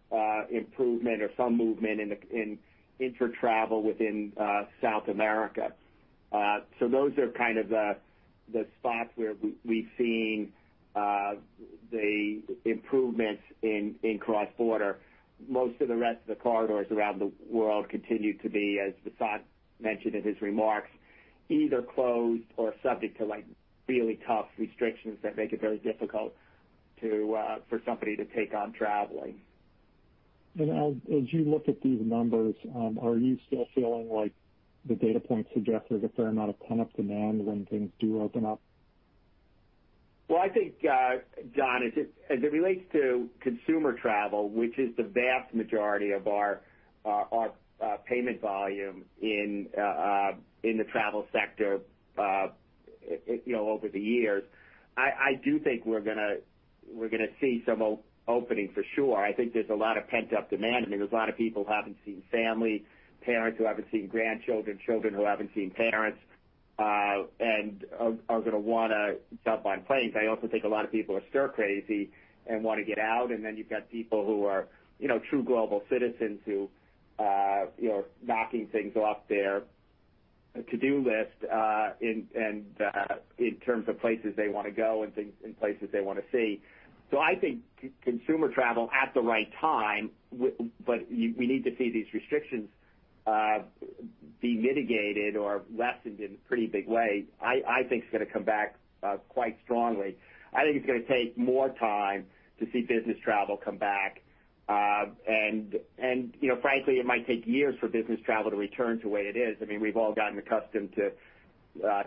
improvement or some movement in intra-travel within South America. Those are kind of the spots where we've seen the improvements in cross-border. Most of the rest of the corridors around the world continue to be, as Vasant mentioned in his remarks, either closed or subject to really tough restrictions that make it very difficult for somebody to take on traveling. Al, as you look at these numbers, are you still feeling like the data points suggest there's a fair amount of pent-up demand when things do open up? Well, I think, Don, as it relates to consumer travel, which is the vast majority of our payment volume in the travel sector over the years, I do think we're going to see some opening for sure. I think there's a lot of pent-up demand. There's a lot of people who haven't seen family, parents who haven't seen grandchildren, children who haven't seen parents, and are going to want to jump on planes. I also think a lot of people are stir crazy and want to get out. You've got people who are true global citizens who are knocking things off their to-do list in terms of places they want to go and places they want to see. I think consumer travel at the right time, but we need to see these restrictions be mitigated or lessened in pretty big ways, I think is going to come back quite strongly. I think it's going to take more time to see business travel come back. Frankly, it might take years for business travel to return to the way it is. We've all gotten accustomed to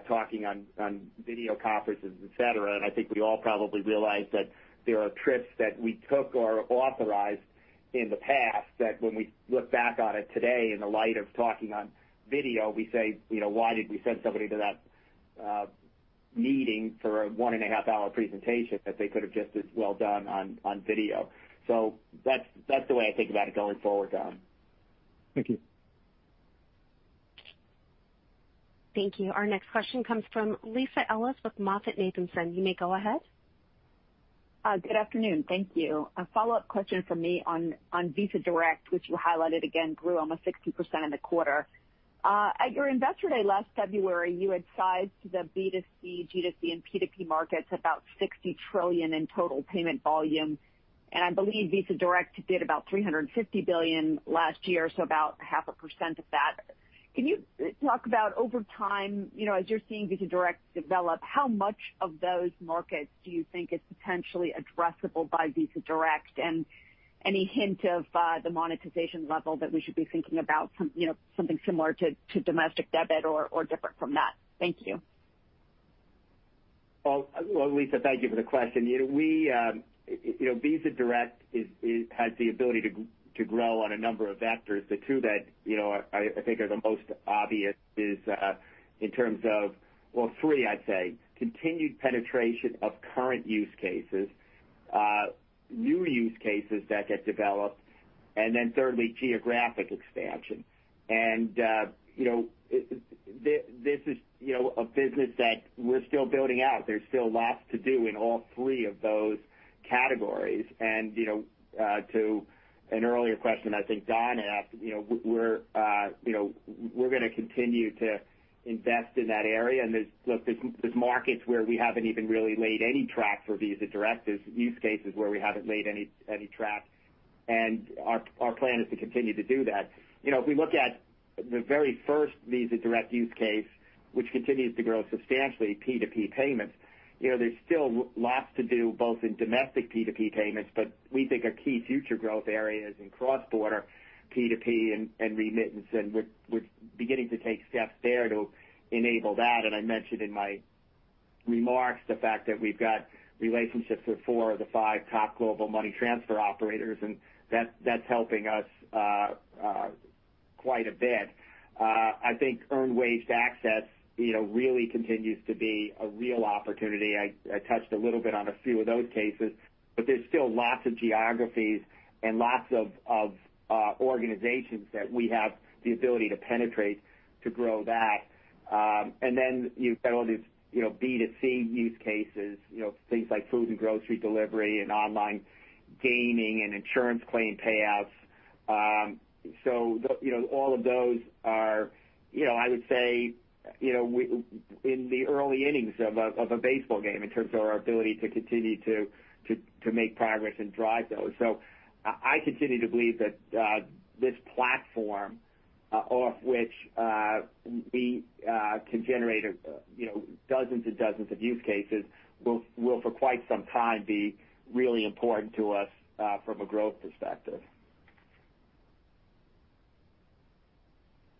talking on video conferences, et cetera, and I think we all probably realize that there are trips that we took or authorized in the past that when we look back on it today in the light of talking on video, we say, "Why did we send somebody to that meeting for a one and a half hour presentation that they could have just as well done on video?" That's the way I think about it going forward, Don. Thank you. Thank you. Our next question comes from Lisa Ellis with MoffettNathanson. You may go ahead. Good afternoon. Thank you. A follow-up question from me on Visa Direct, which you highlighted again, grew almost 60% in the quarter. At your Investor Day last February, you had sized the B2C, G2C, and P2P markets about $60 trillion in total payment volume. I believe Visa Direct did about $350 billion last year, so about half a percent of that. Can you talk about over time, as you're seeing Visa Direct develop, how much of those markets do you think is potentially addressable by Visa Direct? Any hint of the monetization level that we should be thinking about, something similar to domestic debit or different from that? Thank you. Well, Lisa, thank you for the question. Visa Direct has the ability to grow on a number of vectors. The two that I think are the most obvious is in terms of, well, three, I'd say, continued penetration of current use cases, new use cases that get developed, then thirdly, geographic expansion. This is a business that we're still building out. There's still lots to do in all three of those categories. To an earlier question, I think Don asked, we're going to continue to invest in that area. Look, there's markets where we haven't even really laid any track for Visa Direct. There's use cases where we haven't laid any track, and our plan is to continue to do that. If we look at the very first Visa Direct use case, which continues to grow substantially, P2P payments, there's still lots to do, both in domestic P2P payments. We think a key future growth area is in cross-border P2P and remittance, and we're beginning to take steps there to enable that. I mentioned in my remarks the fact that we've got relationships with four of the five top global money transfer operators, and that's helping us quite a bit. I think earned wage access really continues to be a real opportunity. I touched a little bit on a few of those cases, but there's still lots of geographies and lots of organizations that we have the ability to penetrate to grow that. Then you've got all these B2C use cases, things like food and grocery delivery and online gaming and insurance claim payouts. All of those are, I would say, in the early innings of a baseball game in terms of our ability to continue to make progress and drive those. I continue to believe that this platform off which we can generate dozens and dozens of use cases will, for quite some time, be really important to us from a growth perspective.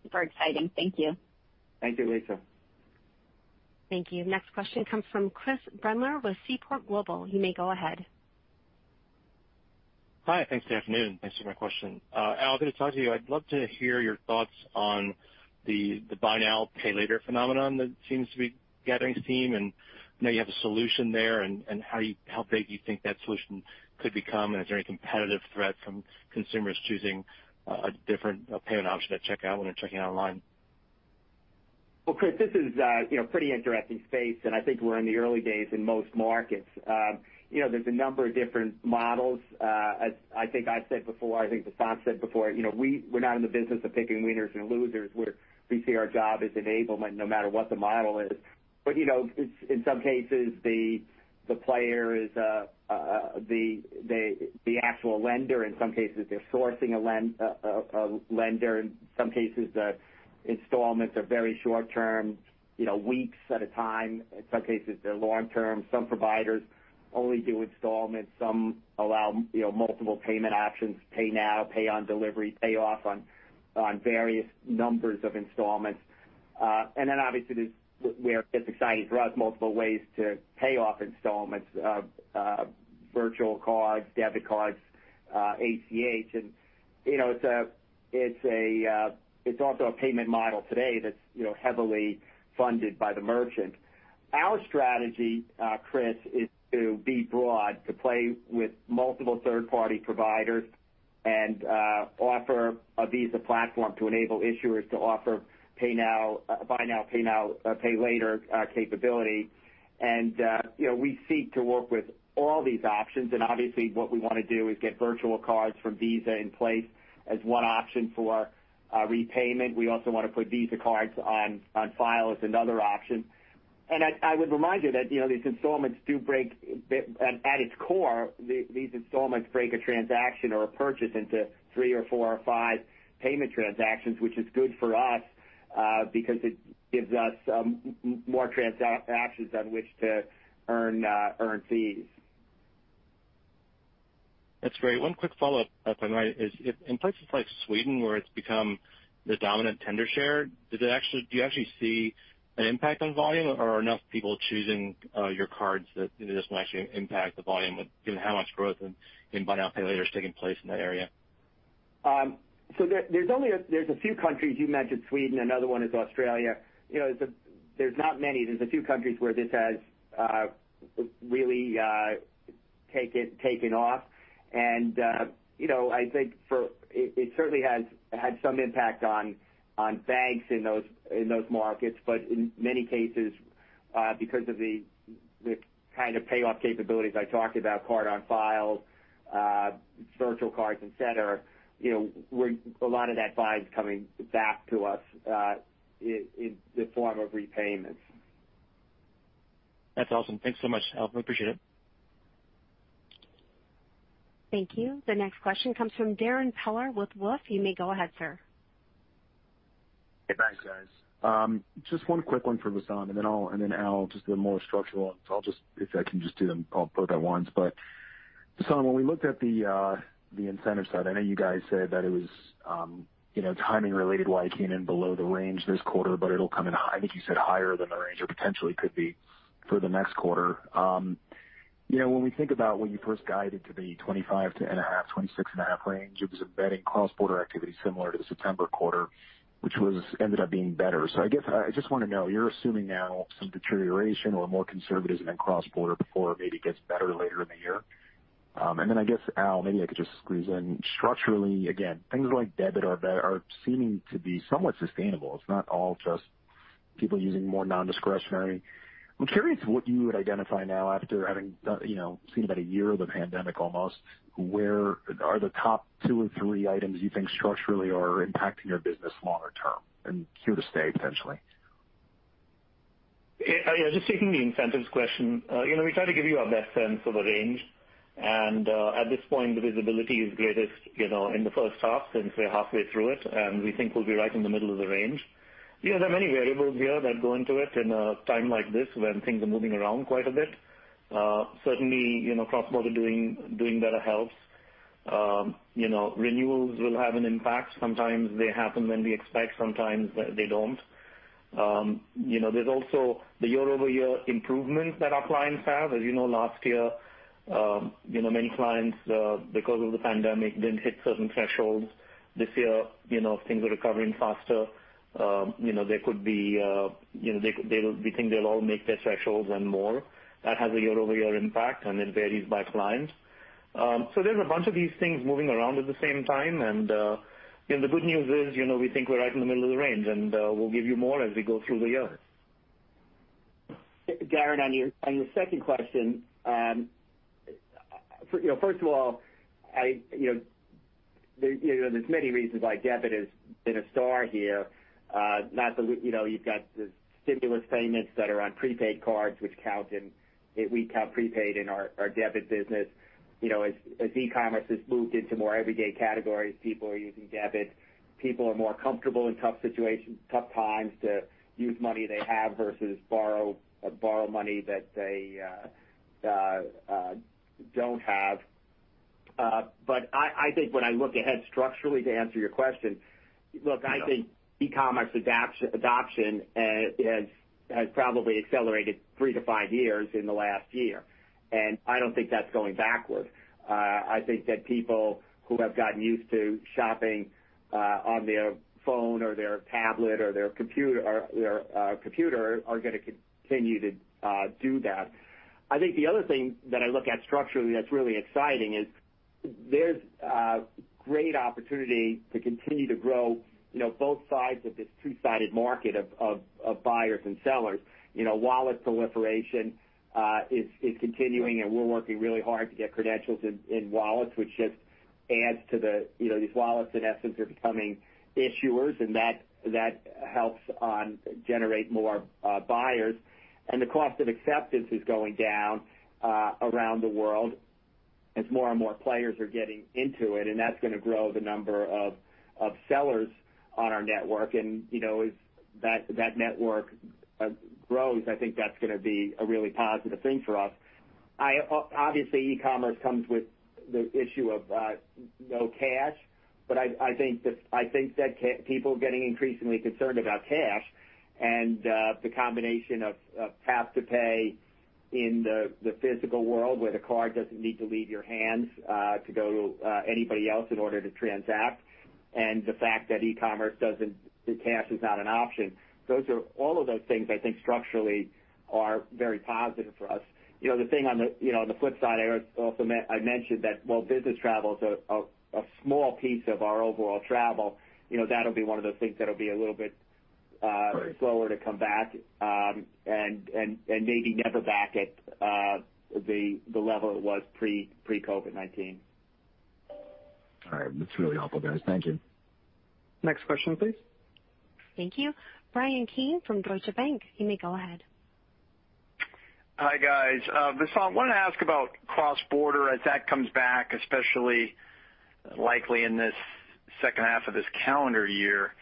Super exciting. Thank you. Thank you, Lisa. Thank you. Next question comes from Chris Brendler with Seaport Global. You may go ahead. Hi. Thanks. Good afternoon. Thanks for my question. Al, good to talk to you. I'd love to hear your thoughts on the buy now, pay later phenomenon that seems to be gathering steam, and I know you have a solution there, and how big you think that solution could become, and is there any competitive threat from consumers choosing a different payment option at checkout when they're checking out online? Well, Chris, this is a pretty interesting space, and I think we're in the early days in most markets. There's a number of different models. As I think I've said before, I think Vasant said before, we're not in the business of picking winners and losers. We see our job as enablement no matter what the model is. In some cases, the player is the actual lender. In some cases, they're sourcing a lender. In some cases, the installments are very short-term, weeks at a time. In some cases, they're long-term. Some providers only do installments. Some allow multiple payment options, pay now, pay on delivery, pay off on various numbers of installments. Obviously, where it gets exciting for us, multiple ways to pay off installments, virtual cards, debit cards, ACH. It's also a payment model today that's heavily funded by the merchant. Our strategy, Chris, is to be broad, to play with multiple third-party providers and offer a Visa platform to enable issuers to offer buy now, pay later capability. We seek to work with all these options, and obviously, what we want to do is get virtual cards from Visa in place as one option for repayment. We also want to put Visa cards on file as another option. I would remind you that these installments do break, at its core, these installments break a transaction or a purchase into three or four or five payment transactions, which is good for us because it gives us more transactions on which to earn fees. That's great. One quick follow-up, if I might. Is in places like Sweden, where it's become the dominant tender share, do you actually see an impact on volume, or are enough people choosing your cards that this will actually impact the volume given how much growth in buy now, pay later is taking place in that area? There's a few countries. You mentioned Sweden. Another one is Australia. There's not many. There's a few countries where this has really taken off. I think it certainly has had some impact on banks in those markets. In many cases, because of the kind of payoff capabilities I talked about, card on file, virtual cards, et cetera, a lot of that volume's coming back to us in the form of repayments. That's awesome. Thanks so much, Al. I appreciate it. Thank you. The next question comes from Darrin Peller with Wolfe. You may go ahead, sir. Hey, thanks, guys. Just one quick one for Vasant, and then Al, just a more structural one. If I can just do them both at once. Vasant, when we looked at the incentive side, I know you guys said that it was timing related why it came in below the range this quarter, but it'll come in, I think you said higher than the range or potentially could be for the next quarter. When we think about when you first guided to the 25.5-26.5 range, it was embedding cross-border activity similar to the September quarter, which ended up being better. I guess I just want to know, you're assuming now some deterioration or more conservatism in cross-border before it maybe gets better later in the year? I guess, Al, maybe I could just squeeze in structurally, again, things like debit are seeming to be somewhat sustainable. It's not all just people using more non-discretionary. I'm curious what you would identify now after having seen about a year of the pandemic almost, where are the top two or three items you think structurally are impacting your business longer term and here to stay potentially? Yeah. Just taking the incentives question. We try to give you our best sense of a range, and, at this point, the visibility is greatest in the first half since we're halfway through it, and we think we'll be right in the middle of the range. There are many variables here that go into it in a time like this when things are moving around quite a bit. Certainly, cross-border doing better helps. Renewals will have an impact. Sometimes they happen when we expect, sometimes they don't. There's also the year-over-year improvements that our clients have. As you know, last year, many clients, because of the pandemic, didn't hit certain thresholds. This year, things are recovering faster. We think they'll all make their thresholds and more. That has a year-over-year impact, and it varies by client. There's a bunch of these things moving around at the same time. The good news is, we think we're right in the middle of the range, and we'll give you more as we go through the year. Darrin, on your second question. First of all, there's many reasons why debit has been a star here. You've got the stimulus payments that are on prepaid cards, which we count prepaid in our debit business. As e-commerce has moved into more everyday categories, people are using debit. People are more comfortable in tough situations, tough times to use money they have versus borrow money that they don't have. I think when I look ahead structurally to answer your question, look, I think e-commerce adoption has probably accelerated three to five years in the last year, and I don't think that's going backward. I think that people who have gotten used to shopping on their phone or their tablet or their computer are going to continue to do that. I think the other thing that I look at structurally that's really exciting is there's great opportunity to continue to grow both sides of this two-sided market of buyers and sellers. Wallet proliferation is continuing, and we're working really hard to get credentials in wallets, which just adds to these wallets, in essence, are becoming issuers, and that helps generate more buyers. The cost of acceptance is going down around the world as more and more players are getting into it, and that's going to grow the number of sellers on our network. As that network grows, I think that's going to be a really positive thing for us. I think that people are getting increasingly concerned about cash and the combination of Tap to Pay in the physical world where the card doesn't need to leave your hands to go to anybody else in order to transact. The fact that e-commerce cash is not an option. All of those things, I think, structurally are very positive for us. The thing on the flip side, I mentioned that while business travel is a small piece of our overall travel, that'll be one of those things that'll be a little bit. Right ...slower to come back, and maybe never back at the level it was pre-COVID-19. All right. That's really helpful, guys. Thank you. Next question, please. Thank you. Bryan Keane from Deutsche Bank. You may go ahead. Hi, guys. Vasant, wanted to ask about cross-border as that comes back, especially likely in this second half of this calendar year.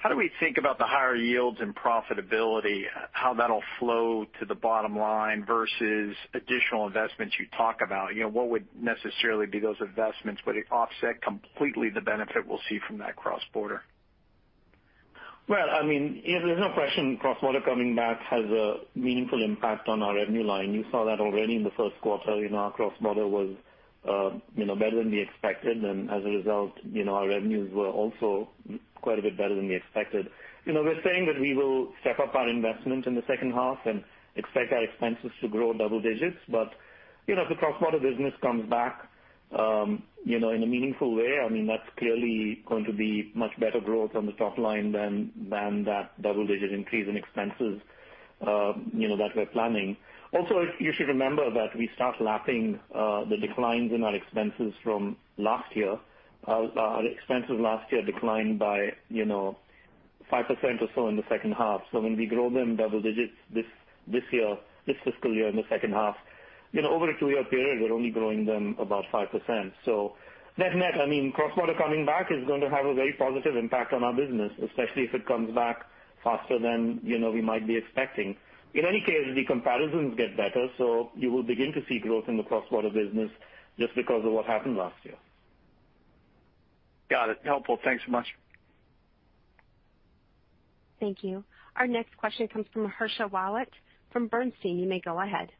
How do we think about the higher yields and profitability, how that'll flow to the bottom line versus additional investments you talk about? What would necessarily be those investments? Would it offset completely the benefit we'll see from that cross-border? Well, there's no question cross-border coming back has a meaningful impact on our revenue line. You saw that already in the first quarter. Our cross-border was better than we expected. As a result, our revenues were also quite a bit better than we expected. We're saying that we will step up our investment in the second half and expect our expenses to grow double digits. If the cross-border business comes back in a meaningful way, that's clearly going to be much better growth on the top line than that double-digit increase in expenses that we're planning. You should remember that we start lapping the declines in our expenses from last year. Our expenses last year declined by 5% or so in the second half. When we grow them double digits this fiscal year in the second half, over a two-year period, we're only growing them about 5%. Net net, cross-border coming back is going to have a very positive impact on our business, especially if it comes back faster than we might be expecting. In any case, the comparisons get better, so you will begin to see growth in the cross-border business just because of what happened last year. Got it. Helpful. Thanks so much. Thank you. Our next question comes from Harshita Rawat from Bernstein. You may go ahead.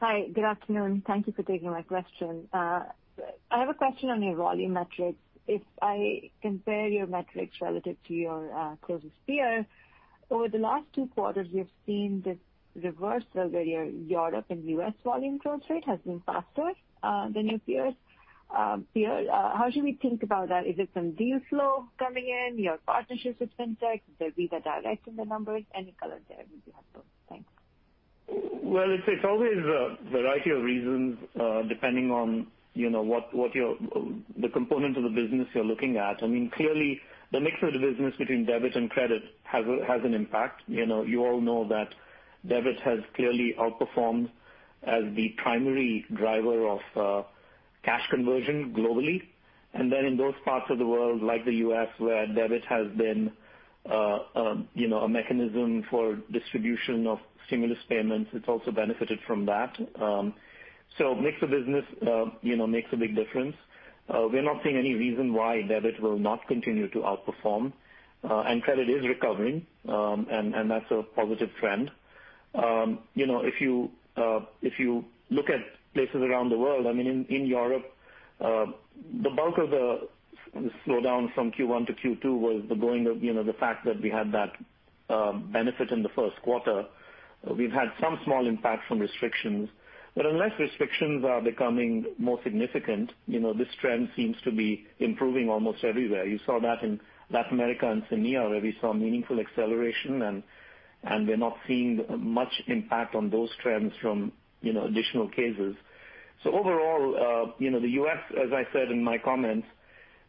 Hi. Good afternoon. Thank you for taking my question. I have a question on your volume metrics. If I compare your metrics relative to your closest peer, over the last two quarters, we have seen this reversal where your Europe and U.S. volume growth rate has been faster than your peers. How should we think about that? Is it some deal flow coming in, your partnerships with FinTech, the Visa Direct in the numbers? Any color there would be helpful. Thanks. Well, it's always a variety of reasons, depending on the component of the business you're looking at. Clearly, the mix of the business between debit and credit has an impact. You all know that debit has clearly outperformed as the primary driver of cash conversion globally. Then in those parts of the world, like the U.S., where debit has been a mechanism for distribution of stimulus payments, it's also benefited from that. Mix of business makes a big difference. We're not seeing any reason why debit will not continue to outperform. Credit is recovering, and that's a positive trend. If you look at places around the world, in Europe, the bulk of the slowdown from Q1 to Q2 was the fact that we had that benefit in the first quarter. We've had some small impact from restrictions. Unless restrictions are becoming more significant, this trend seems to be improving almost everywhere. You saw that in Latin America and EMEA, where we saw meaningful acceleration, and we're not seeing much impact on those trends from additional cases. Overall, the U.S., as I said in my comments,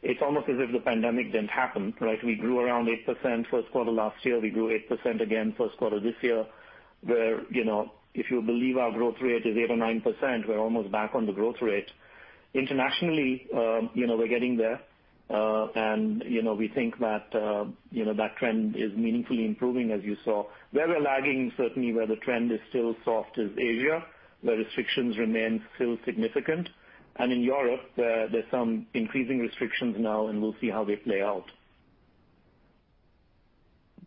it's almost as if the pandemic didn't happen, right? We grew around 8% first quarter last year. We grew 8% again first quarter this year, where, if you believe our growth rate is 8% or 9%, we're almost back on the growth rate. Internationally, we're getting there. We think that trend is meaningfully improving, as you saw. Where we're lagging, certainly where the trend is still soft, is Asia, where restrictions remain still significant. In Europe, there's some increasing restrictions now, and we'll see how they play out.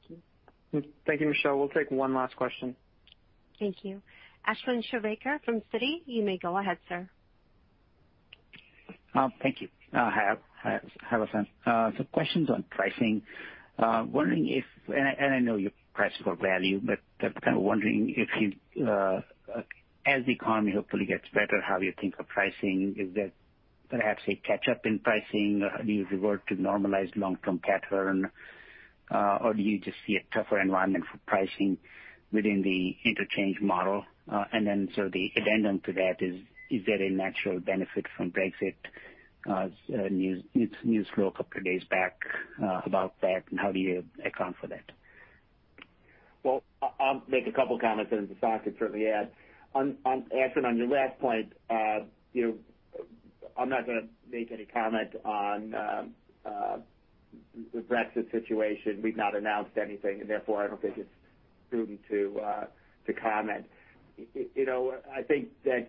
Thank you. Thank you, Harshita. We'll take one last question. Thank you. Ashwin Shirvaikar from Citi. You may go ahead, sir. Thank you. Hi, Vasant. Questions on pricing. I know you price for value, but kind of wondering if as the economy hopefully gets better, how you think of pricing. Is there perhaps a catch-up in pricing? Do you revert to normalized long-term pattern? Or do you just see a tougher environment for pricing within the interchange model? The addendum to that is there a natural benefit from Brexit? News broke a couple of days back about that, and how do you account for that? Well, I'll make a couple comments, and then Vasant can certainly add. Ashwin, on your last point, I'm not going to make any comment on the Brexit situation. We've not announced anything, and therefore, I don't think it's prudent to comment. I think that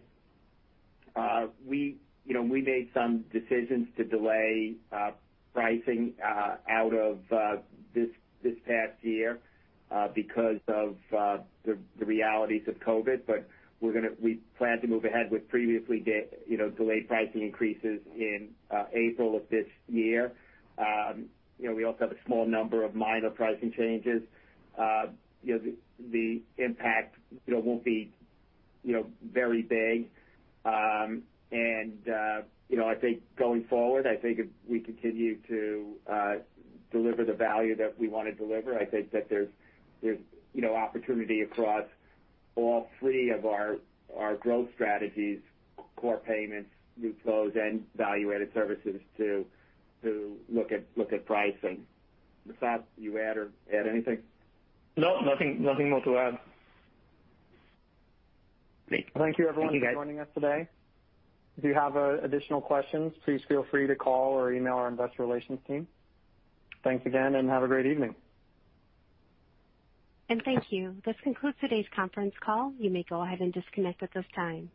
we made some decisions to delay pricing out of this past year because of the realities of COVID, but we plan to move ahead with previously delayed pricing increases in April of this year. We also have a small number of minor pricing changes. The impact won't be very big. I think going forward, I think if we continue to deliver the value that we want to deliver, I think that there's opportunity across all three of our growth strategies, core payments, new flows, and value-added services to look at pricing. Vasant, you add anything? No, nothing more to add. Great. Thank you, everyone, for joining us today. If you have additional questions, please feel free to call or email our investor relations team. Thanks again, and have a great evening. Thank you. This concludes today's conference call. You may go ahead and disconnect at this time.